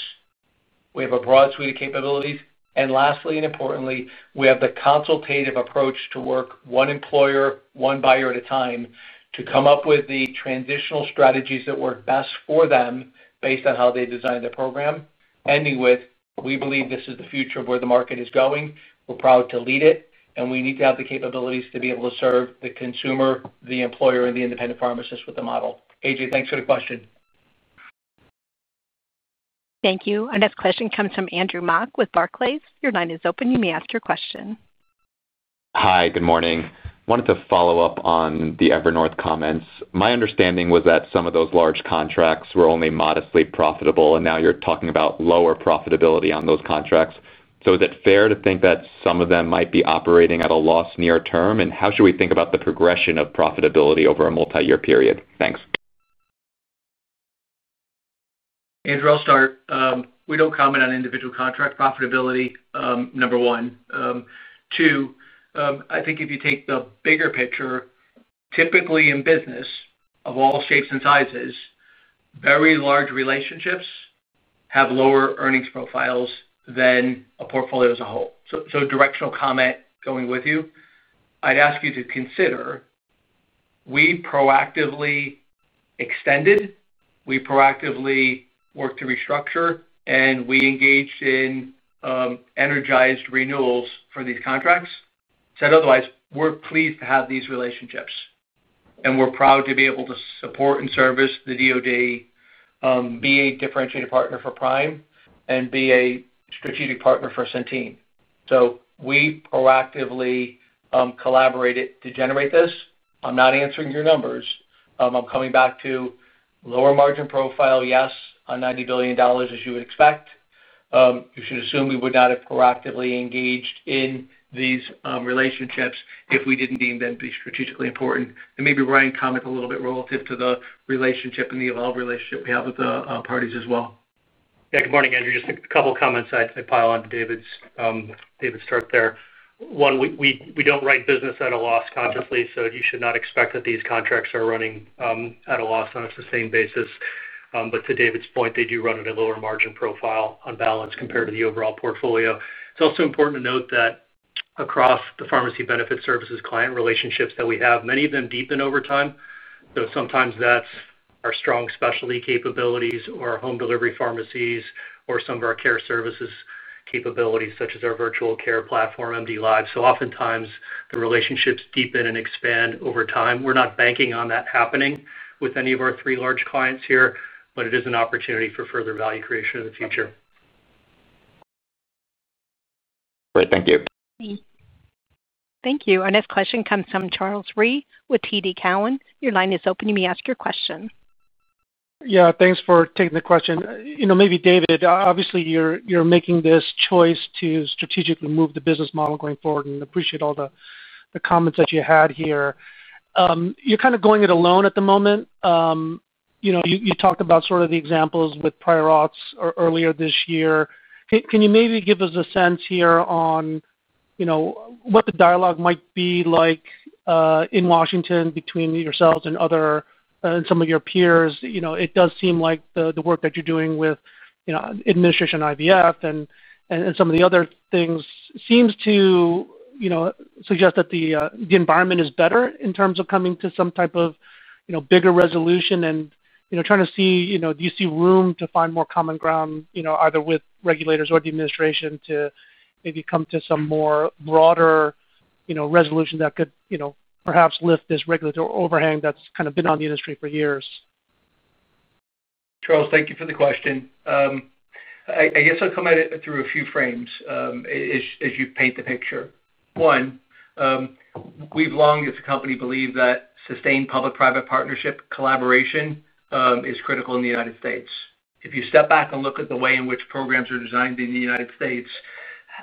We have a broad suite of capabilities, and lastly and importantly, we have the consultative approach to work one employer, one buyer at a time to come up with the transitional strategies that work best for them based on how they designed their program. Ending with, we believe this is the future of where the market is going. We're proud to lead it, and we need to have the capabilities to be able to serve the consumer, the employer, and the independent pharmacist with the model. A.J., thanks for the question. Thank you. Our next question comes from Andrew Mok with Barclays. Your line is open, you may ask your question. Hi, good morning. Wanted to follow up on the Evernorth comments. My understanding was that some of those. Large contracts were only modestly profitable. Now you're talking about lower profitability on those contracts. Is it fair to think that some of them might be operating at? A loss near term? How should we think about the progression of profitability over a multi-year period? Thanks, Andrew. I'll start. We don't comment on individual contract profitability. Number one, two, I think if you take the bigger picture, typically in business of all shapes and sizes, very large relationships have lower earnings profiles than a portfolio as a whole. Directional comment going with you, I'd ask you to consider we proactively extended, we proactively worked to restructure, and we engaged in energized renewals for these contracts. Said otherwise, we're pleased to have these relationships. We're proud to be able to support service the U.S. Department of Defense, be a differentiated partner for Prime Therapeutics, and be a strategic partner for Centene, we proactively collaborated to generate this. I'm not answering your numbers. I'm coming back to lower margin profile. Yes, on $90 billion. As you would expect, you should assume we would not have proactively engaged in these relationships if we didn't deem them to be strategically important. Maybe, Brian, comment a little bit relative to the relationship and the evolved relationship we have with the parties as well. Good morning, Andrew. Just a couple comments I pile onto David's start there. One, we don't write business at a loss consciously. You should not expect that these contracts are running at a loss on a sustained basis. To David's point, they do run at a lower margin profile on balance compared to the overall portfolio. It's also important to note that across the pharmacy benefit services client relationships that we have, many of them deepen over time. Sometimes that's our strong specialty capabilities or home delivery pharmacies or some of our care services capabilities such as our virtual care platform MD Live. Oftentimes the relationships deepen and expand over time. We're not banking on that happening with any of our three large clients here, but it is an opportunity for further value creation in the future. Great, thank you. Thank you. Our next question comes from Charles Rhyee with TD Cowen. Your line is open. You may ask your question. Yeah, thanks for taking the question. Maybe. David, obviously you're making this choice to strategically move the business model going forward. I appreciate all the comments that you had here. You're kind of going it alone at the moment. You talked about sort of the examples with prior audits earlier this year. Can you maybe give us a sense? Here is what the dialogue might be. Like in Washington between yourselves and others. Some of your peers? It does seem like the work that you're doing with administration, IVF, and some. Of the other things, seems to suggest. The environment is better in terms of coming to some type of bigger resolution and trying to see do you. See room to find more common ground either with regulators or the administration to maybe come to some more broader resolution that could perhaps lift this regulatory overhang that's kind of been on the industry for years. Charles, thank you for the question. I guess I'll come at it through a few frames as you paint the picture. One, we've long as a company believed that sustained public-private partnership collaboration is critical in the United States. If you step back and look at the way in which programs are designed in the United States,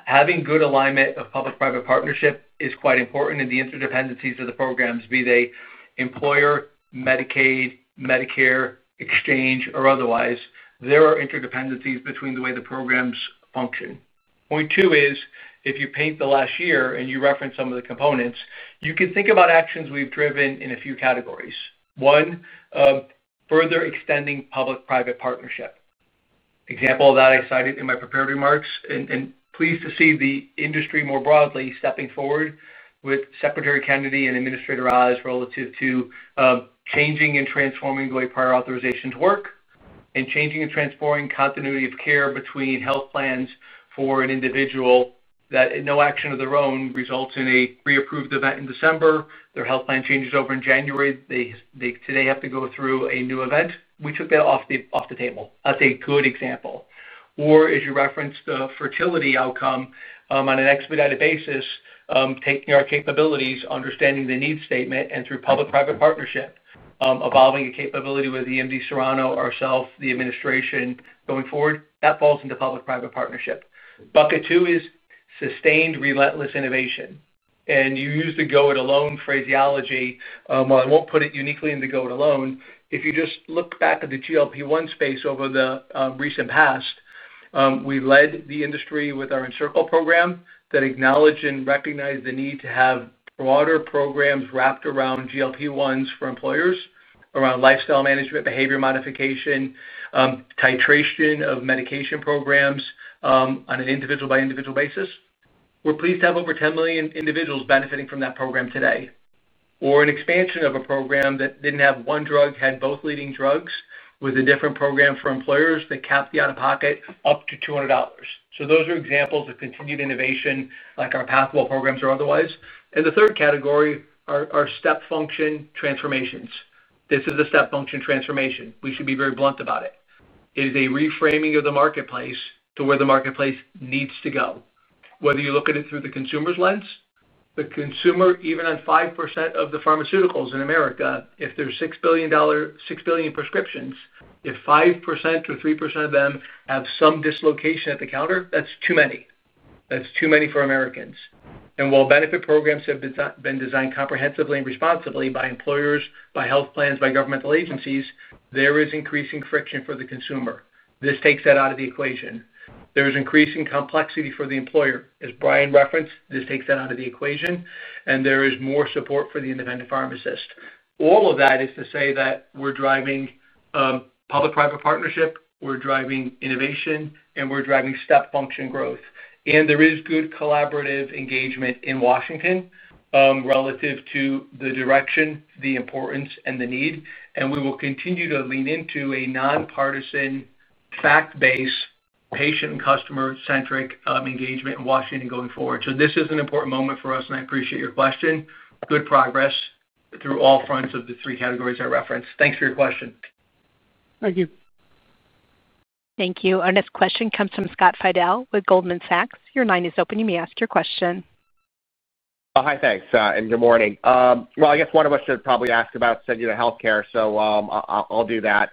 having good alignment of public-private partnership is quite important, and the interdependencies of the programs, be they employer, Medicaid, Medicare Exchange, or otherwise, there are interdependencies between the way the programs function. Point two is if you paint the last year and you reference some of the components, you can think about actions we've driven in a few categories. One, further extending public-private partnership. An example of that I cited in my prepared remarks, and pleased to see the industry more broadly stepping forward with Secretary Kennedy and Administrator Oz relative to changing and transforming the way prior authorizations work and changing and transforming continuity of care between health plans for an individual that no action of their own results in a pre-approved event in December, their health plan changes over in January. Today they have to go through a new event. We took that off the table. That's a good example. As you referenced, the fertility outcome on an expedited basis, taking our capabilities, understanding the need statement, and through public-private partnership evolving a capability with EMD Serrano, ourself, the administration going forward, that falls into public-private partnership. Bucket two is sustained relentless innovation, and you use the go it alone phraseology. I won't put it uniquely in the go it alone. If you just look back at the GLP-1 space over the recent past, we led the industry with our Encircle program that acknowledged and recognized the need to have broader programs wrapped around GLP-1s for employers around lifestyle management, behavior modification, titration of medication programs on an individual by individual basis. We're pleased to have over 10 million individuals benefiting from that program today, or an expansion of a program that didn't have one drug, had both leading drugs with a different program for employers that capped the out of pocket up to $200. Those are examples of continued innovation like our PathWell programs or otherwise. The third category are step function transformations. This is the step function transformation. We should be very blunt about it. It is a reframing of the marketplace to where the marketplace needs to go. Whether you look at it through the consumer's lens, the consumer, even on 5% of the pharmaceuticals in America, if there's $6 billion, 6 billion prescriptions, if 5% or 3% of them have some dislocation at the counter, that's too many. That's too many for Americans. While benefit programs have been designed comprehensively and responsibly by employers, by health plans, by governmental agencies, there is increasing friction for the consumer. This takes that out of the equation. There is increasing complexity for the employer, as Brian referenced, this takes that out of the equation. There is more support for the independent pharmacist. All of that is to say that we are driving public-private partnership, we're driving innovation, and we're driving step function growth. There is good collaborative engagement in Washington relative to the direction, the importance, and the need. We will continue to lean into a nonpartisan, fact-based, patient and customer-centric engagement in Washington going forward. This is an important moment for us and I appreciate your question. Good progress through all fronts of the three categories I referenced. Thanks for your question. Thank you. Thank you. Our next question comes from Scott Fidel with Goldman Sachs. Your line is open, you may ask your question. Hi, thanks and good morning. I guess one of us should. Probably ask about Cigna Healthcare, so I'll do that.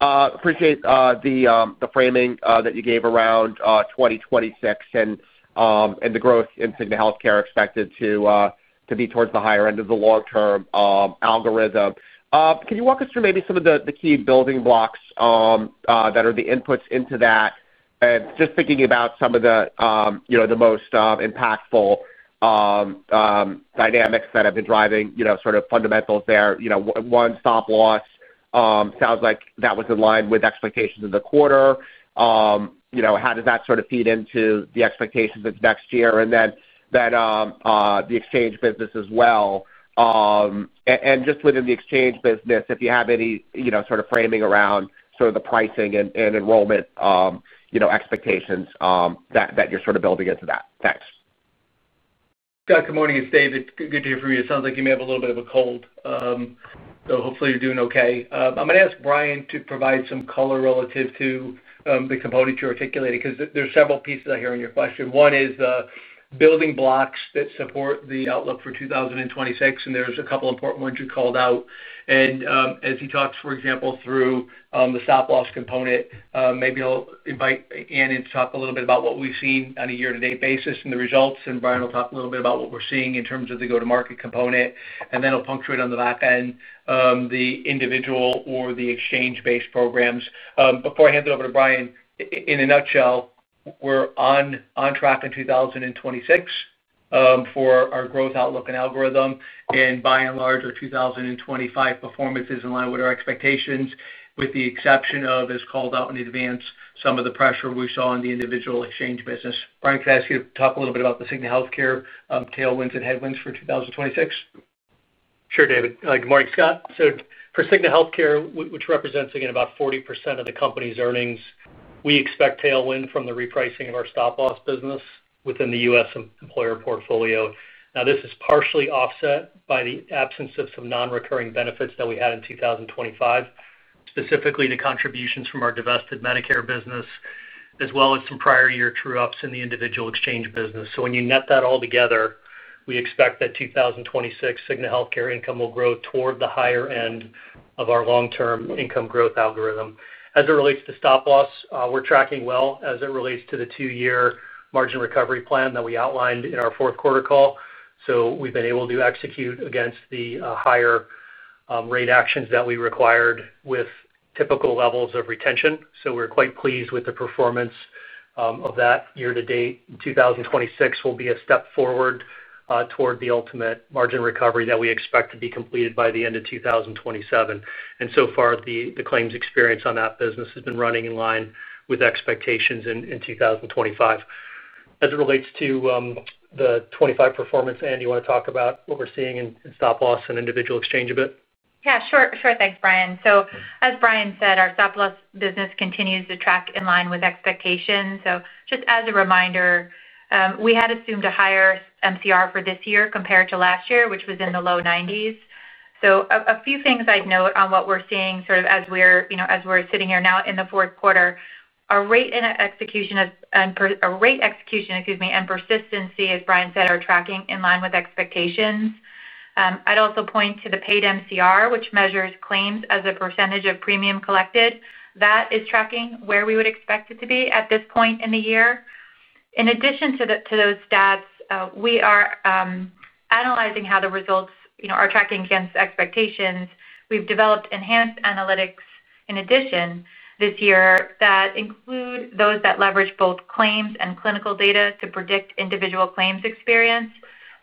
Appreciate the framing that you gave around 2026 and the growth in Cigna Healthcare expected to be towards the higher end of the long term algorithm. Can you walk us through maybe some. Of the key building blocks that are the inputs into that, just thinking about some of the most impactful dynamics that have been driving sort of fundamentals there. One, Stop-Loss sounds like that was in line with expectations in the quarter. How does that sort of feed into the expectations of next year? Than the individual exchange business as well. Within the individual exchange business, if you have any sort of framing around the pricing and enrollment expectations that you're building into that. Thanks, Scott. Good morning, it's David. Good to hear from you. It sounds like you may have a little bit of a cold, so hopefully you're doing okay. I'm going to ask Brian to provide some color relative to the components you're articulating because there's several pieces I hear in your question. One is building blocks that support the outlook for 2026, and there's a couple important ones you called out. As he talks, for example, through the Stop-Loss component, maybe I'll invite Ann in to talk a little bit about what we've seen on a year-to-date basis and the results. Brian will talk a little bit about what we're seeing in terms of the go-to-market component, and then it will punctuate on the back end the individual or the exchange-based programs. Before I hand it over to Brian, in a nutshell, we're on track in 2026 for our growth outlook and algorithm. By and large, our 2025 performance is in line with our expectations, with the exception of, as called out in advance, some of the pressure we saw in the individual exchange business. Brian, could I ask you to talk a little bit about the Cigna Healthcare tailwinds and headwinds for 2026? Sure, David. Good morning, Scott. For Cigna Healthcare, which represents again about 40% of the company's earnings, we expect tailwind from the repricing of our Stop-Loss business within the U.S. Employer portfolio. This is partially offset by the absence of some non-recurring benefits that we had in 2025, specifically the contributions from our divested Medicare business as well as some prior year true-ups in the individual exchange business. When you net that all together, we expect that 2026 Cigna Healthcare income will grow toward the higher end of our long-term income growth algorithm. As it relates to Stop-Loss, we're tracking well as it relates to the two-year margin recovery plan that we outlined in our fourth quarter call. We've been able to execute against the higher rate actions that we required with typical levels of retention. We're quite pleased with the performance of that year-to-date. 2026 will be a step forward toward the ultimate margin recovery that we expect to be completed by the end of 2027. So far, the claims experience on that business has been running in line with expectations in 2025 as it relates to the 2025 performance. Ann, do you want to talk about what we're seeing in Stop-Loss and individual exchange a bit? Yeah, sure. Thanks, Brian. As Brian said, our Stop-Loss business continues to track in line with expectations. Just as a reminder, we had assumed a higher MCR for this year compared to last year, which was in the low 90%. A few things I'd note on what we're seeing as we're sitting here now in the fourth quarter. Our rate execution and persistency, as Brian said, are tracking in line with expectations. I'd also point to the paid MCR, which measures claims as a percentage of premium collected, that is tracking where we would expect it to be at this point in the year. In addition to those stats, we are analyzing how the results are tracking against expectations. We've developed enhanced analytics in addition this year that include those that leverage both claims and clinical data to predict individual claims experience.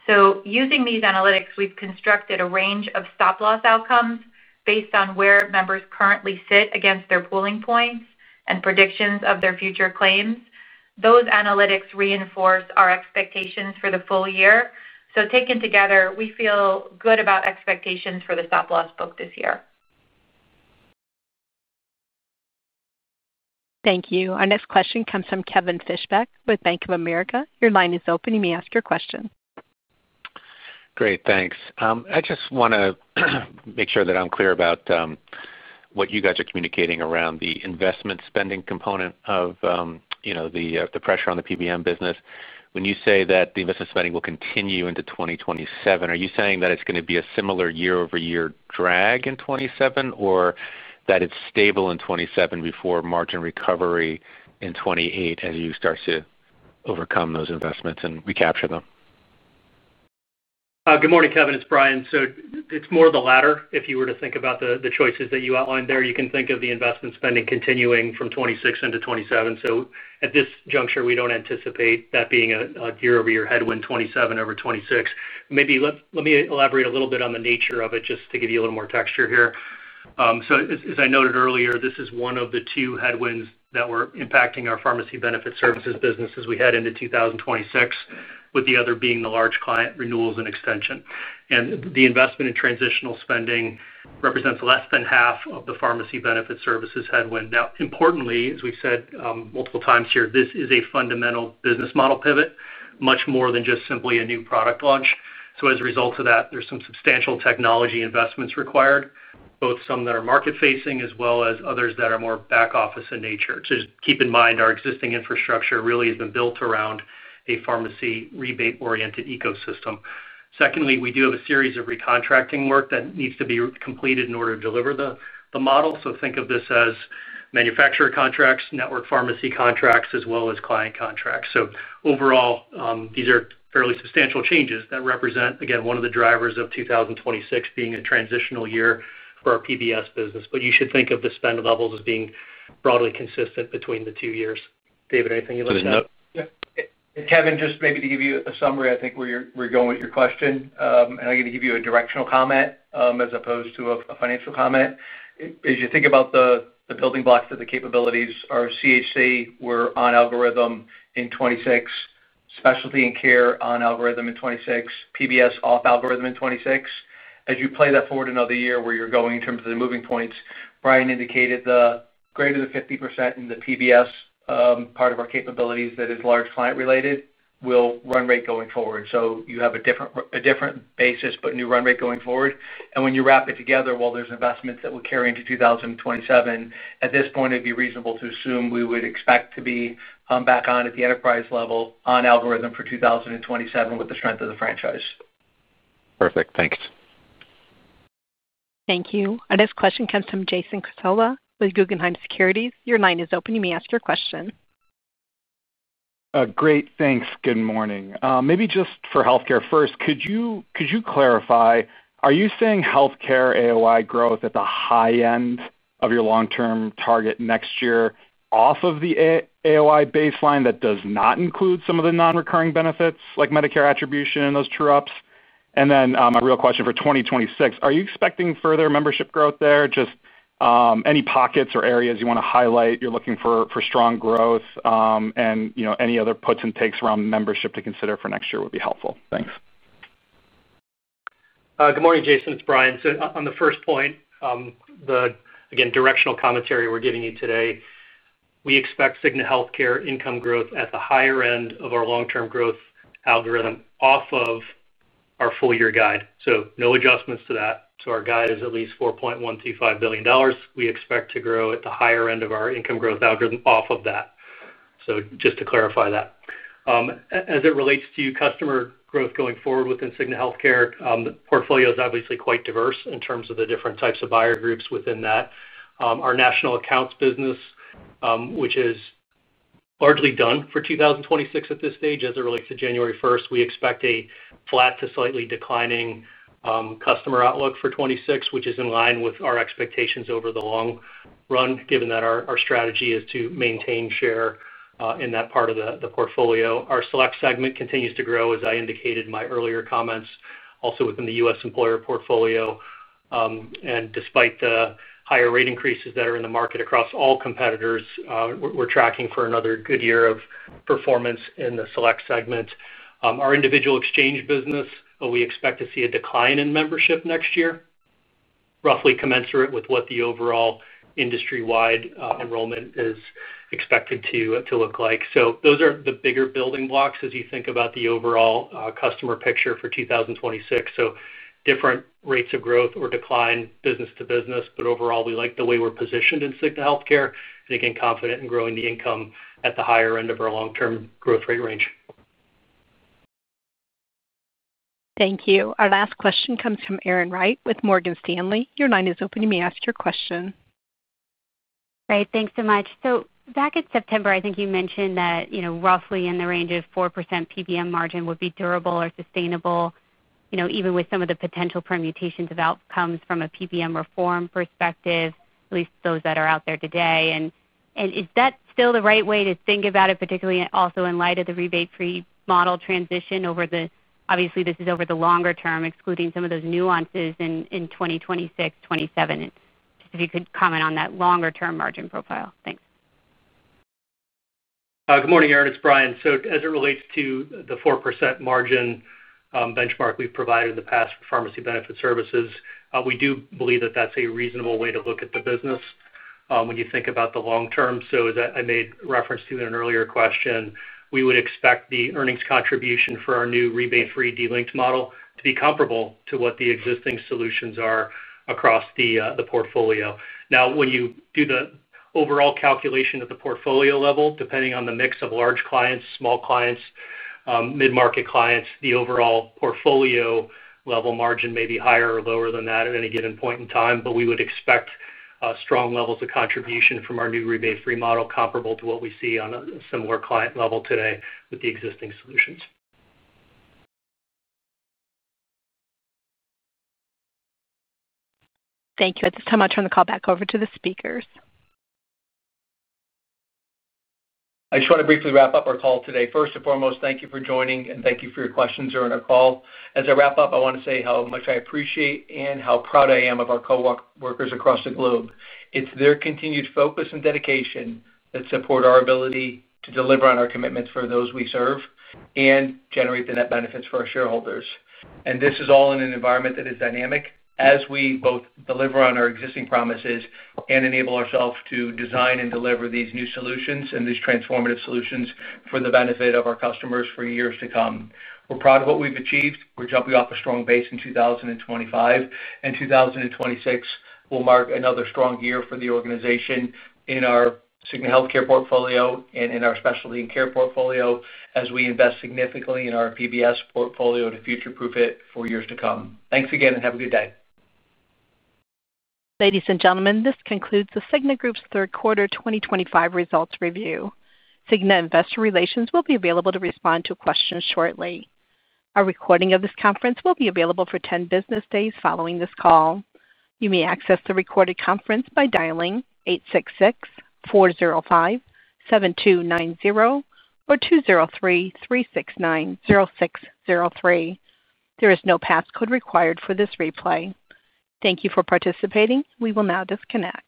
Using these analytics, we've constructed a range of stop-loss outcomes based on where members currently sit against their pooling points and predictions of their future claims. Those analytics reinforce our expectations for the full year. Taken together, we feel good about expectations for the Stop-Loss book this year. Thank you. Our next question comes from Kevin Fischbeck with Bank of America. Your line is open, you may ask your question. Great, thanks. I just want to make sure of that. I'm clear about what you guys are communicating around the investment spending component of the pressure on the Pharmacy Benefit Management business. When you say that the investment spending will continue into 2027, are you saying that it's going to be similar? Year-over-year drag in 2017, or that it's stable in 2027 before margin recovery in 2028 as you start to overcome those investments and recapture them? Good morning Kevin, it's Brian. It's more the latter. If you were to think about the choices that you outlined there, you can think of the investment spending continuing from 2026 into 2027. At this juncture, we don't anticipate that being a year-over-year headwind. 2027 over 2026 maybe. Let me elaborate a little bit on the nature of it, just to give you a little more texture here. As I noted earlier, this is one of the two headwinds that are impacting our pharmacy benefit services business as we head into 2026, with the other being the large client renewals and extension. The investment in transitional spending represents less than half of the pharmacy benefit services headwind. Importantly, as we've said multiple times here, this is a fundamental business model pivot, much more than just simply a new product launch. As a result of that, there's some substantial technology investments required, both some that are market facing as well as others that are more back office in nature. Just keep in mind, our existing infrastructure really has been built around a pharmacy rebate-oriented ecosystem. Secondly, we do have a series of recontracting work that needs to be completed in order to deliver the model. Think of this as manufacturer contracts, network pharmacy contracts, as well as client contracts. Overall, these are fairly substantial changes that represent again one of the drivers of 2026 being a transitional year for our pharmacy benefit services business. You should think of the spend levels as being broadly consistent between the two years. David, anything you'd like to note? Kevin, just maybe to give you a summary, I think where we're going with your question, and I'm going to give you a directional comment as opposed to a financial comment. As you think about the building blocks of the capabilities, our Cigna Healthcare, we're on algorithm in 2026, specialty and care on algorithm in 2026, pharmacy benefit services off algorithm in 2026. As you play that forward another year, where you're going in terms of the moving points, Brian indicated the greater than 50% in the pharmacy benefit services part of our capabilities that is large client related will run rate going forward. You have a different basis but new run rate going forward. When you wrap it together, while there's investment that would carry into 2027, at this point it would be reasonable to assume we would expect to be back on at the enterprise level on algorithm for 2027 with the strength of the franchise. Perfect, thanks. Thank you. Our next question comes from Jason Cassorla with Guggenheim Securities. Your line is open, you may ask your question. Great, thanks. Good morning. Maybe just for Healthcare first, could you clarify, are you seeing Healthcare AOI growth at the high end of your long-term target next year off of the AOI baseline that does not include some of the non-recurring benefits like Medicare attribution and those true-ups? A real question for 2026, are you expecting further membership growth there, just any pockets or areas you want to highlight? You're looking for strong growth, and any other puts and takes around membership to consider for next year would be helpful. Thanks. Good morning Jason, it's Brian. On the first point, the directional commentary we're giving you today, we expect Cigna Healthcare income growth at the higher end of our long-term growth algorithm off of our full year guide. No adjustments to that. Our guide is at least $4.125 billion. We expect to grow at the higher end of our income growth algorithm off of that. Just to clarify, as it relates to customer growth going forward within Cigna Healthcare, the portfolio is obviously quite diverse in terms of the different types of buyer groups within that. Our national accounts business, which is largely done for 2026 at this stage, as it relates to January 1st, we expect a flat to slightly declining customer outlook for 2026, which is in line with our expectations over the long-term run. Given that our strategy is to maintain share in that part of the portfolio, our select segment continues to grow, as I indicated in my earlier comments. Also within the U.S. Employer portfolio, and despite the higher rate increases that are in the market across all competitors, we're tracking for another good year of performance in the select segment. Our individual exchange business, we expect to see a decline in membership next year roughly commensurate with what the overall industry-wide enrollment is expected to look like. Those are the bigger building blocks as you think about the overall customer picture for 2026. Different rates of growth or decline, business to business, but overall we like the way we're positioned in Cigna Healthcare and again confident in growing the income at the higher end of our long-term growth rate range. Thank you. Our last question comes from Erin Wright with Morgan Stanley. Your line is open, you may ask your question. Great. Thanks so much. Back in September I think you mentioned that roughly in the range of 4% PBM margin would be durable or sustainable even with some of the potential permutations of outcomes from a PBM reform perspective, at least those that are out there today. Is that still the right way to think about it? Particularly also in light of the rebate-free model transition over the longer term, excluding some of those nuances in 2026, 2027. If you could comment on that longer term margin profile. Thanks. Good morning, Erin, it's Brian. As it relates to the 4% margin benchmark we've provided in the past for pharmacy benefit services, we do believe that that's a reasonable way to look at the business when you think about the long term. As I made reference to in an earlier question, we would expect the earnings contribution for our new rebate-free, delinked model to be comparable to what the existing solutions are across the portfolio. When you do the overall calculation at the portfolio level, depending on the mix of large clients, small clients, mid-market clients, the overall portfolio level margin may be higher or lower than that at any given point in time. We would expect strong levels of contribution from our new rebate-free model comparable to what we see on a similar client level today with the existing solutions. Thank you. At this time, I'll turn the call back over to the speakers. I just want to briefly wrap up our call today. First and foremost, thank you for joining and thank you for your questions during our call. As I wrap up, I want to say how much I appreciate and how proud I am of our co-workers across the globe. It's their continued focus and dedication that support our ability to deliver on our commitments for those we serve and generate the net benefits for our shareholders. This is all in an environment that is dynamic. As we both deliver on our existing promises and enable ourselves to design and deliver these new solutions and these transformative solutions for the benefit of our customers for years to come. We're proud of what we've achieved. We're jumping off a strong base in 2025, and 2026 will mark another strong year for the organization in our Cigna Healthcare portfolio and in our specialty and care portfolio as we invest significantly in our pharmacy benefit services portfolio to future proof it for years to come. Thanks again and have a good day. Ladies and gentlemen, this concludes The Cigna Group's third quarter 2025 results review. Cigna Investor Relations will be available to respond to questions shortly. A recording of this conference will be available for 10 business days. Following this call, you may access the recorded conference by dialing 866-405-7290 or 203-369-0603. There is no passcode required for this replay. Thank you for participating. We will now disconnect.